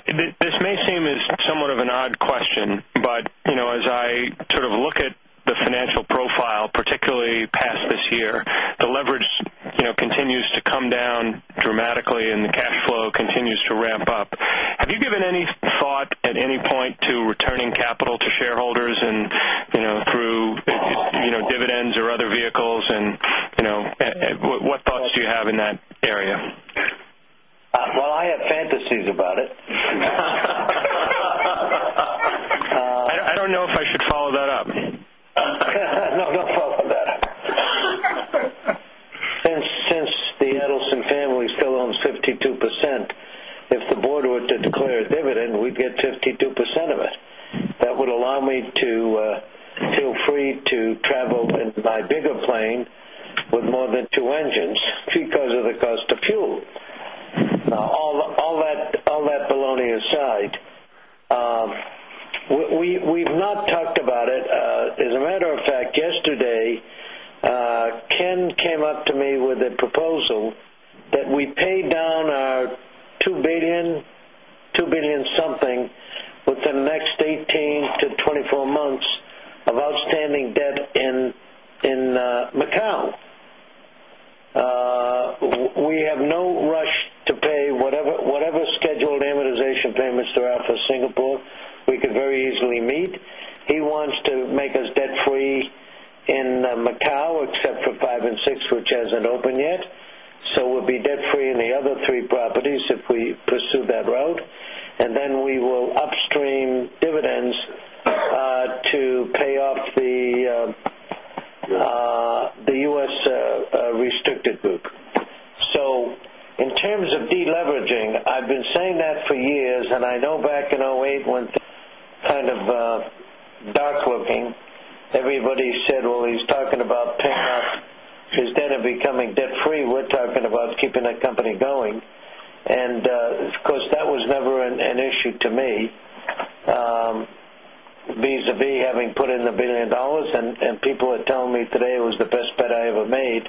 Speaker 4: This may seem as somewhat of an odd question, but as I sort of look at the financial profile, particularly past this year, the leverage continues to come down dramatically and the cash flow continues to ramp up. Have you given any thought at any point to returning capital to shareholders and through dividends or other vehicles? And what thoughts do you have in that area?
Speaker 3: Well, I have fantasies about it.
Speaker 4: I don't know if I
Speaker 3: should follow that up. No, no follow-up on that. Since the Edelson family still owns 52%, if the Board were to declare a dividend, we get 52% of it. That would allow me to feel free to travel and buy bigger plane with more than 2 engines because of the cost of fuel. All baloney aside, we've not talked about it. As a matter of fact, yesterday, Ken came up to me with a proposal that we paid down our $2,000,000,000 something the next 18 months to 24 months of outstanding debt in Macau. We have no rush to pay whatever scheduled amortization payments throughout Singapore, we could very easily meet. He wants to make us debt free in Macau except for 56, which hasn't opened yet. So we'll be debt free in the other three properties if we pursue that route. And then we will upstream dividends to pay off the U. S. Restricted book. So in terms of deleveraging, I've been saying that for years and I know back in 'eight when kind of dark looking, everybody said, well, he's talking about paying off instead of becoming debt free. We're talking about keeping the company going. And of course, that was never an issue to me visavis having put in the $1,000,000,000 and people are telling me today it was the best bet I ever made.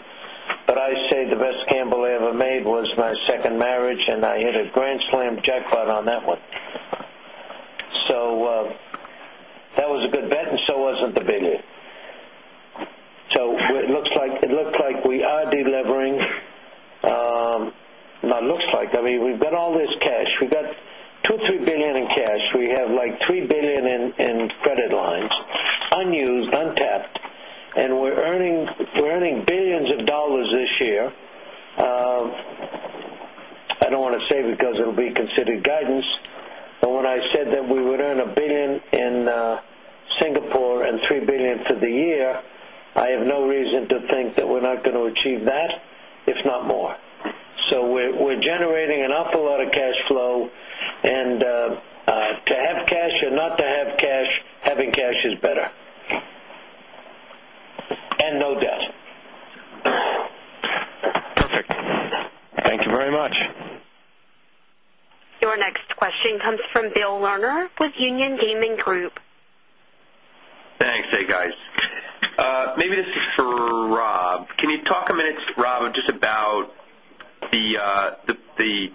Speaker 3: But I say the best gamble I ever made was my second marriage and I hit a grand slam jackpot on that one. So that was a good bet and so wasn't the big deal. It looks like we are delevering now it looks like, I mean, we've got all this cash. We've got $2,000,000,000 $3,000,000,000 in cash. We have like $3,000,000,000 in credit lines, unused, untapped, and we're earning 1,000,000,000 of dollars this year. I don't want to say because it will be considered guidance, but when I said that we would earn $1,000,000,000 in Singapore $3,000,000,000 for the year, I have no reason to think that we're not going to achieve that, if not more. So we're generating an awful lot of cash flow. And to have cash or not to have cash, having cash is better and no debt.
Speaker 4: Okay. Thank you very much.
Speaker 1: Your next question comes from Bill Lerner with Union Gaming Group.
Speaker 4: Thanks. Hey, guys. Maybe this is for Rob. Can you talk a minute, Rob, just about the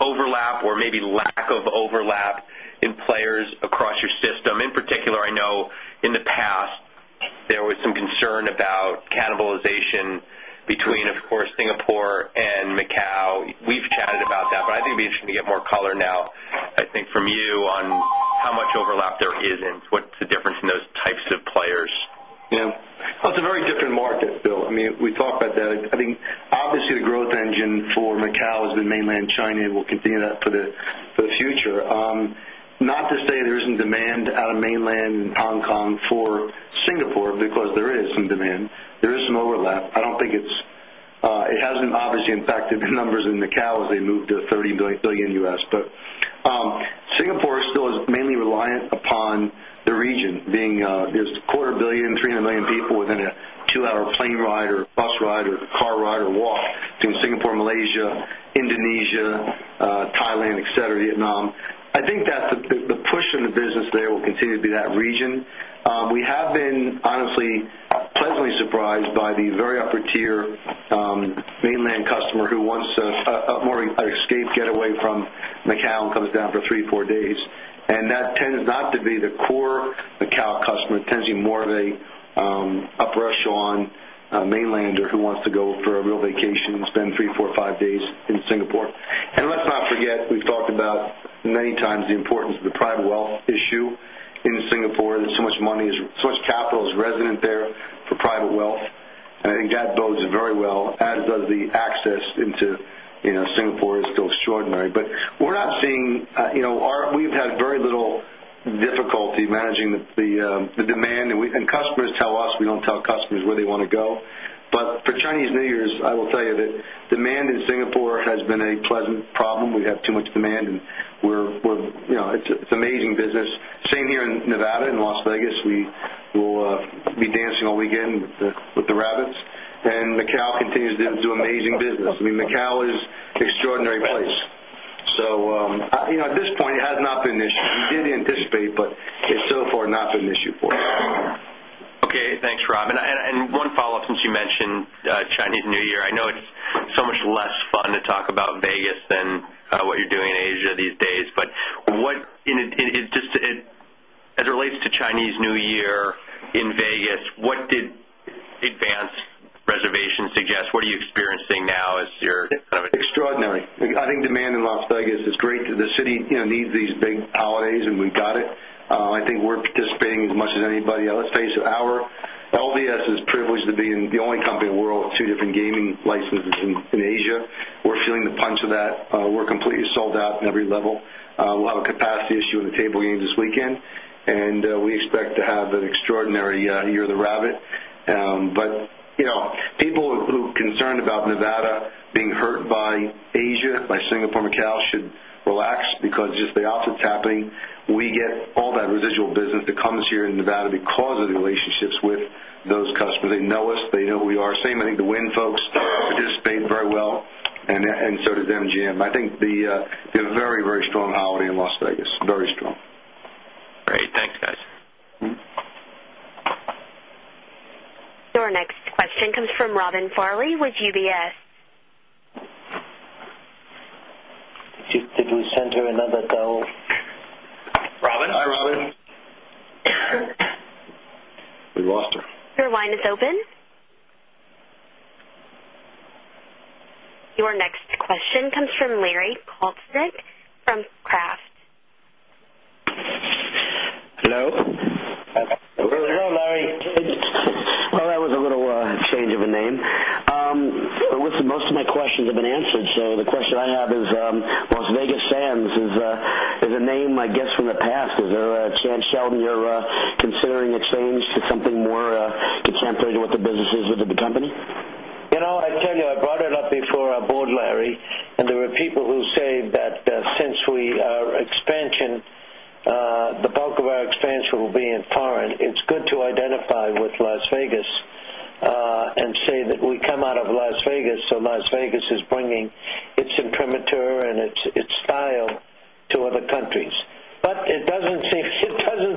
Speaker 4: overlap or maybe lack of overlap in players across your system? In particular, I know in the past, there was some concern about cannibalization between, of course, Singapore and Macau. We've chatted about that, but I think we should get more color now, I think, from you on how much overlap there is and what's the difference in those types of players?
Speaker 9: Yes. It's a very different market, Bill. I mean, we talked about that. I think, obviously, the growth engine for Macau has been Mainland China. We'll continue that for the future. Not to say there isn't demand out of Mainland Hong Kong for Singapore because there is some demand. There is some overlap. I don't think it's it hasn't obviously impacted the numbers in Macao as they move to $30,000,000,000 But Singapore still is mainly reliant upon the region being there's 200,000,000, 300,000,000 people within a 2 hour plane ride or bus ride or car ride or walk between Singapore, Malaysia, Indonesia, Thailand, etcetera, Vietnam. I think that the push in the business there will continue to be that region. We have been honestly pleasantly surprised by the very upper tier Mainland customer who wants a more escape getaway from Macau and comes down for 3, 4 days. And that tends not to be the core Macau customer, it tends to be more of a upper echelon mainlander who wants to go for a real vacation and spend 3, 4, 5 days in Singapore. And let's not forget, we've talked about many times the importance of the private wealth issue in Singapore. There's so much money is so much capital is resident there for private wealth. And I think that bodes very well as does the access into Singapore is still extraordinary. But we're not seeing we've had very little difficulty managing the demand. And customers tell us, we don't tell customers where they want to go. But for Chinese New Year's, I will tell you that demand in Singapore has been a pleasant problem. We have too much demand and we're it's amazing business. Same here in Nevada and Las Vegas, we will be dancing all weekend with the rabbits. And Macau continues to do amazing business. I mean Macau is extraordinary place. So at this point, it has not been an issue. We did anticipate, but it's so far not been an issue for us.
Speaker 4: Okay. Thanks, Rob. And one follow-up since you mentioned Chinese New Year. I know it's so much less fun to talk about Vegas than what you're doing in Asia these days. But what just as it relates to Chinese New Year in Vegas, what did advanced reservation suggest? What are you experiencing now as you're kind of Extraordinary.
Speaker 9: I think demand in Las Vegas is great because the city needs these big holidays and we've got it. I think we're participating as much as anybody else face our LDS is privileged to be in the only company in the world with 2 different gaming licenses in Asia. We're feeling the punch of that. We're completely sold out in every level. We'll have a capacity issue in the table game this weekend. And we expect to have an extraordinary year of the rabbit. But people who are concerned about Nevada being hurt by Asia, by Singapore Macau should relax because just the opposite is happening. We get all that residual business that comes here in Nevada because of the relationships with those customers. They know us. They know who we are. Same, I think the Wynn folks participate very well and so does MGM. I think the they have a very, very strong holiday in Las Vegas, very strong.
Speaker 2: Great. Thanks guys.
Speaker 1: Your next question comes from Robin Farley with UBS.
Speaker 3: Did you send her another Robin?
Speaker 9: We lost her.
Speaker 1: Your line is open. Your next question comes from Larry Kaltznik from Kraft.
Speaker 4: Hello?
Speaker 3: Hello, Larry. Well, that was
Speaker 11: a little change of a name. Listen, most of my questions have been answered. So the question I have is, Las Vegas Sands is a name, I guess, from the past. Is there a chance, Sheldon, you're considering exchange to something more contemporary with the business is within the company?
Speaker 3: I'd tell you, I brought it up before our Board, Larry, and there are people who say that since we are expansion, the bulk of our expansion will be in foreign. It's good to identify with Las Vegas and say that we come out of Las Vegas. So Las Vegas is bringing its imprimatur and its style to other countries. But it doesn't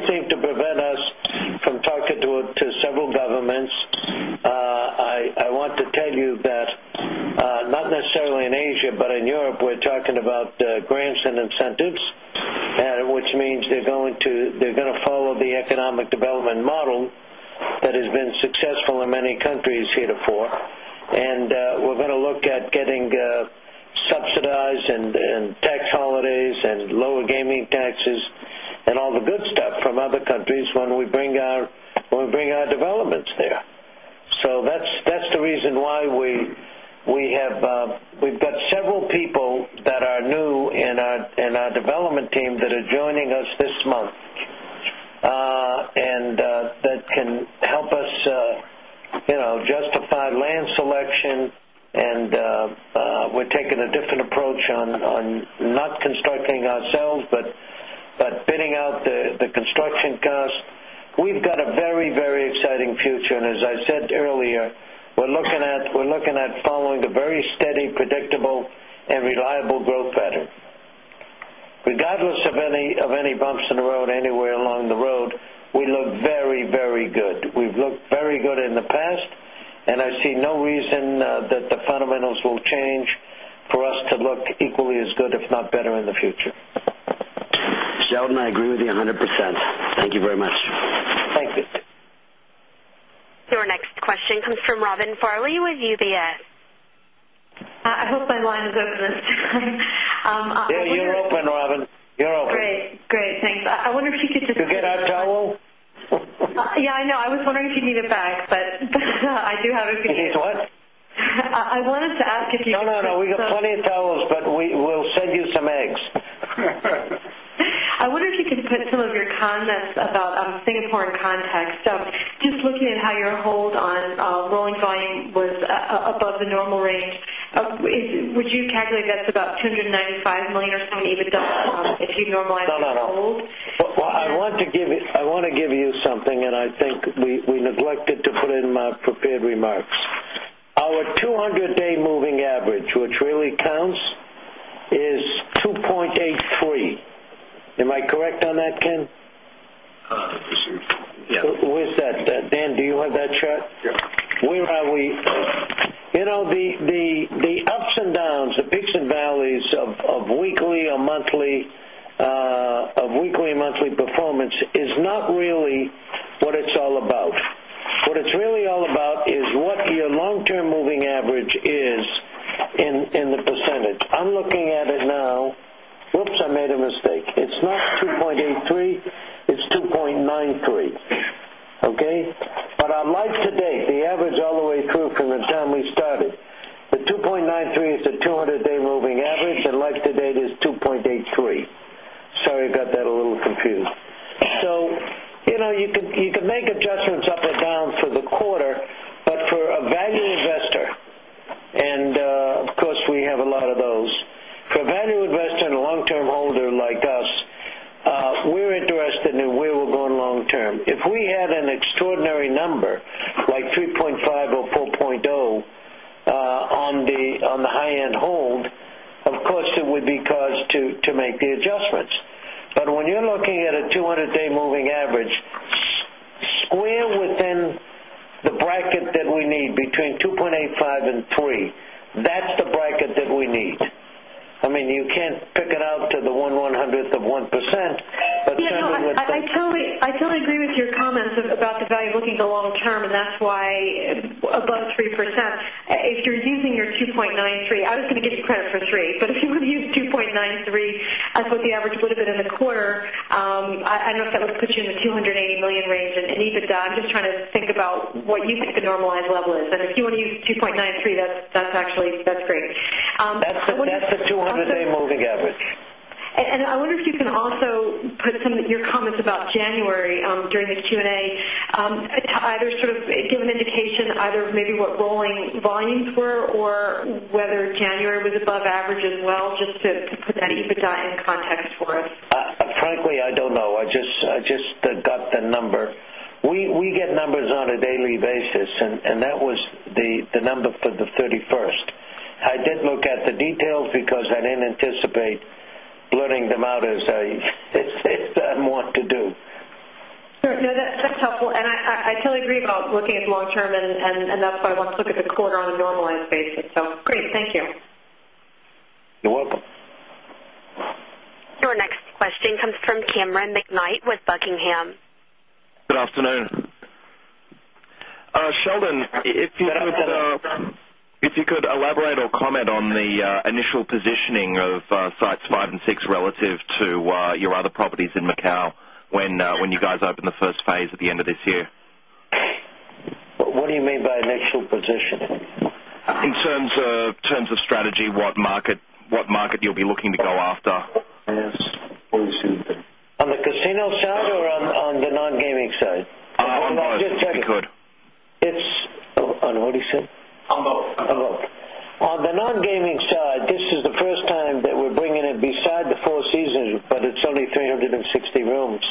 Speaker 3: seem to prevent us from talking to several governments. I want to tell you that not necessarily in Asia, but in Europe, we're talking about grants and incentives, which means they're going to follow the economic development model that has been successful in many countries heretofore. And we're going to look at getting subsidized and tax holidays and lower gaming taxes and all the good stuff from other countries when we bring our developments there. So that's the reason why we've got several people that are new in our development team that are joining us this month and that can help us justify land selection and we're taking a different approach on not constructing ourselves, but bidding out the construction cost. We've got a very, very exciting future. And as I said earlier, we're looking at following a very steady, predictable and reliable growth pattern. Regardless of any bumps in the road anywhere along the road, we look very, very good. We've looked very good in the past, and I see no reason that the fundamentals will change for us to look equally as good if not better in the future.
Speaker 11: Sheldon, I agree with you 100%. Thank you very much.
Speaker 3: Thank you.
Speaker 1: Your next question comes from Farley with UBS.
Speaker 6: I hope my line is open this time.
Speaker 3: Yes, you're open, Robin. You're open.
Speaker 6: Great, great. Thanks. Wonder if you could just Did you
Speaker 3: get our towel?
Speaker 6: Yes, I know. I was wondering if you need it back, but I do have
Speaker 3: a few. You need what?
Speaker 6: I wanted to ask if
Speaker 3: you could No, no, no. We got $20,000,000 but we will send you some eggs.
Speaker 6: I wonder if you could put some of your comments about Singapore in context. Just looking at how your hold on rolling volume was above the normal range, Would you calculate that's about $295,000,000 or
Speaker 3: so in EBITDA if you normalize the hold? Well, I want to give you something and I think we neglected to put in my prepared remarks. Our 200 day moving average, which really counts, is 2.83. Am I correct on that, Ken?
Speaker 5: I see it.
Speaker 3: With that, Dan, do you have that chart? Yes. We are we the ups and downs, the peaks and valleys of weekly or monthly of weekly and monthly performance is not really what it's all about. What it's really all about is what your long term moving average is in the percentage. I'm looking at it now. Oops, I made a mistake. It's not 2 0.83, it's 2.93, okay? But on life to date, the average all the way through from the time we started, the 2.93 is a 200 day moving average and life to date is 2.83. Sorry, I got that a little confused. So you can make adjustments up or down for the quarter. But for a a value investor in a long term holder like us, we're interested in where we're going long term. If we had an extraordinary number like 3.5 or 4.0 on the high end hold, of course, it would be cause to make the adjustments. But when you're looking at a 200 day moving average, square within the bracket that we need between 2.85% and 3%. That's the bracket that we need. I mean you can't pick it out to the oneone hundredth of 1%. Yes.
Speaker 6: I totally agree with your comments about the value bookings long term and that's why above 3%, if you're using your 2.93%, I was going to give you credit for 3%, but if you would use 2.93%, I thought the average would have been in the quarter. I don't know if that would put you in the $280,000,000 range in EBITDA. I'm just trying to think about what you think the normalized level is. And if you want to use $2,93,000,000 that's actually that's great.
Speaker 3: That's the 200 day moving average.
Speaker 6: And I wonder if you can also put some of your comments about January during the Q and A, sort of give an indication either maybe what rolling volumes were or whether January was above average as well just to put that EBITDA in context for us?
Speaker 3: Frankly, I don't know. I just got the number. We get numbers on a daily basis and that was the number for the 31st. I did look at the details because I didn't anticipate blurring them out as I want to do.
Speaker 6: That's helpful. And I totally agree about looking at long term and that's why I want to look at the quarter on a normalized basis. So great. Thank you. You're welcome.
Speaker 1: Your next question comes from Cameron McKnight with Buckingham.
Speaker 4: Sheldon,
Speaker 14: if you could elaborate or comment on the initial positioning of Sites 56 relative to your other properties in Macau when you guys open the first phase at end of this year?
Speaker 3: What do you mean by an actual position?
Speaker 14: In terms of strategy, what market you'll
Speaker 5: be looking to go after?
Speaker 3: On the casino side or on the non gaming side? On the non gaming side, this is the first time that we're bringing it beside the Four Seasons, but it's only 3 60 rooms.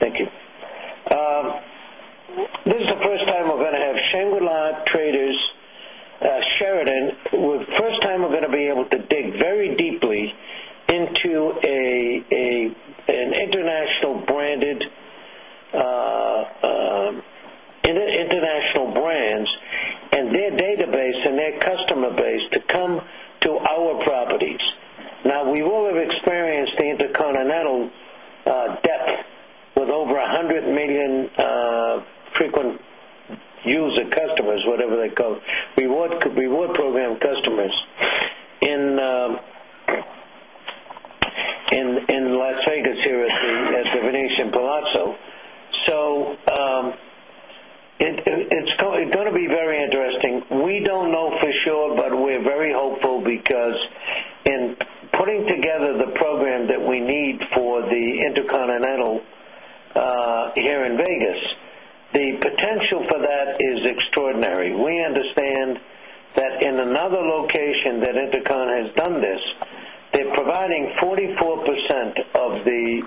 Speaker 3: Thank you. This is the first time we're going to have Shangri La Traders, Sheridan, first time we're going to be able to dig very deeply into in Las Vegas here at The Venetian Palazzo. So it's going to be very interesting. We don't know for sure, but we're very hopeful because in putting together the program that we need for the Intercontinental here in Vegas, the potential for that is extraordinary. We understand that in another location that InterContin has done this, they're providing 44% of the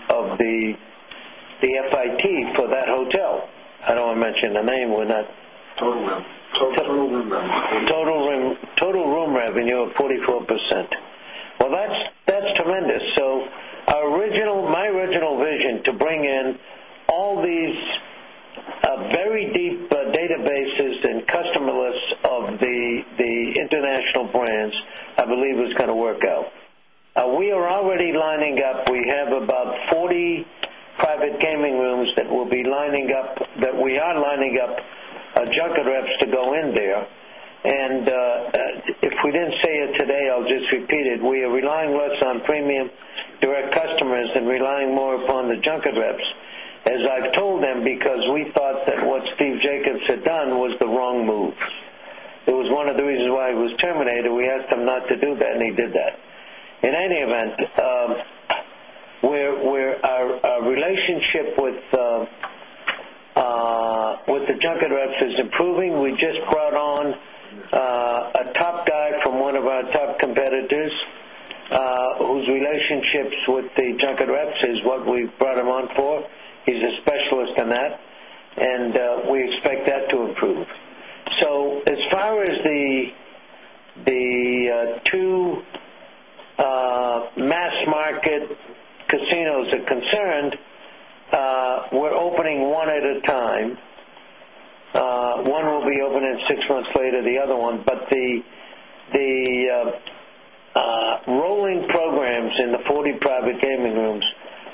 Speaker 3: FIT for that hotel. I don't want to mention the name, we're not revenue. Total room revenue of 44%. Well, that's tremendous. So our original my original vision to bring in all these very deep databases and customer lists of the international brands, I believe is going to work out. We are already lining up. We have about 40 private gaming rooms that we'll be lining up that we are lining up junket reps to go in there. And if we didn't say it today, I'll just repeat it. We are relying less on premium direct customers and relying more upon the junket reps, as I've told them, because we thought that what Steve Jacobs had done was the wrong move. It was one of the reasons why he was terminated. We asked him not to do that and he did that. In any event, where our relationship with the junket reps is improving, we just brought on a top guy from one of our top competitors, whose relationships with the junket reps is what we've brought him on for. He's a specialist in that and we expect that to improve. So as far as the 2 mass market casinos are concerned, we're opening 1 at a time. 1 will be open in 6 months later, the other one. But the rolling programs in the 40 private gaming rooms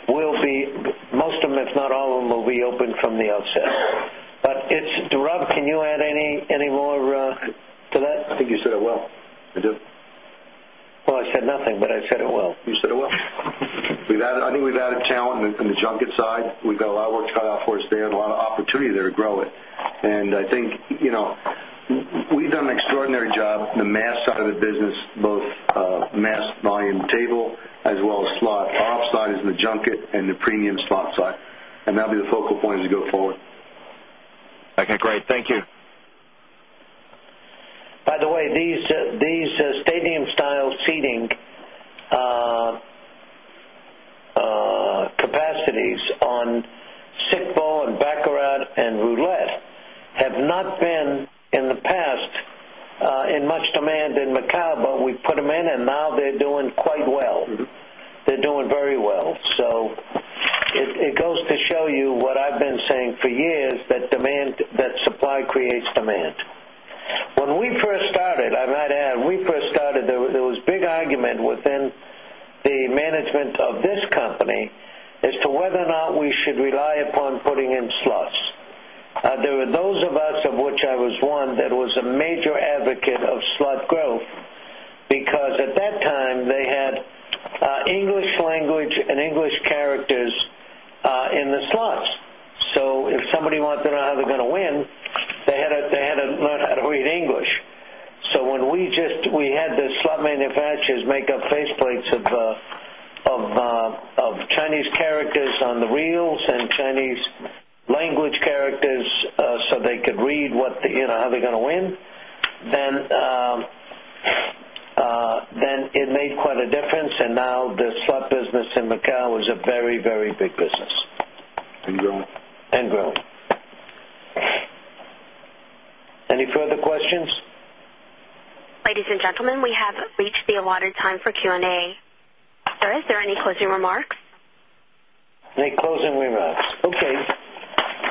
Speaker 3: will be most of them, if not all of them, will be open from the outset. But it's Dharab, can you add any more to that? I think you said it well. I do. Well, I said nothing, but I said it well.
Speaker 9: You said it well. We've added I think we've added talent in the junket side. We've got a lot of work cut out for us. They have a lot of opportunity there to grow it. And I think we've done an extraordinary job, the mass side of the business, both mass volume table as well as slot. Our upside is and the premium slot side. And that'll be the focal point as we go forward.
Speaker 4: Okay. Great. Thank you.
Speaker 3: By the way, these stadium style seating capacities on sick bowl and baccarat and roulette have not been in the past in much demand in Macao, but we put them in and now they're doing demand. When we first started, I might add, we first started, there was big argument within the management of this company slot growth because at that time they had English language and English characters in the slots. So if somebody wants to know how they're going to win, they had to learn how to read English. So when we just we had the slot they could read what how they're going to win, then it made quite a difference. And now the slot business in Macau was a very, very big business.
Speaker 8: And growing. And growing.
Speaker 3: Any further Any further questions?
Speaker 1: Ladies and gentlemen, we have reached the allotted time for Q and A. Sir, is there any closing remarks?
Speaker 3: Any closing remarks. Okay.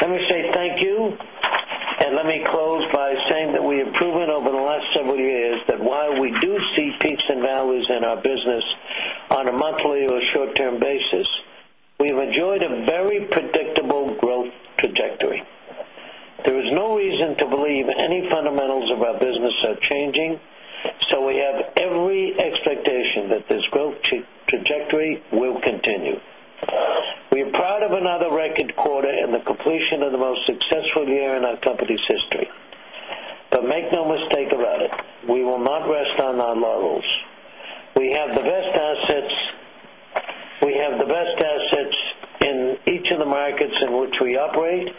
Speaker 3: Let me say thank you. And let me close by saying that we have proven over the last several years that while we see peaks and valleys in our business on a monthly or short term basis, we have enjoyed predictable growth trajectory. There is no reason to believe any fundamentals of our business are changing, so we have every expectation that this growth trajectory will continue. We are proud of another record quarter and the completion of the most successful year in our company's history. But make no mistake about it, we will not rest on our laurels. We have the best assets in each of the markets in which we operate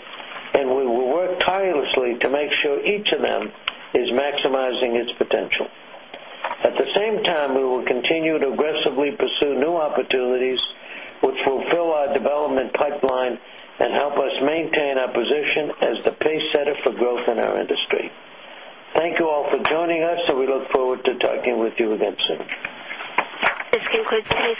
Speaker 3: and we will work tirelessly to make sure each of them is maximizing its potential. At the same time, we will continue to aggressively pursue new opportunities, which will fill our development pipeline and help us maintain our position as the pacesetter for growth in our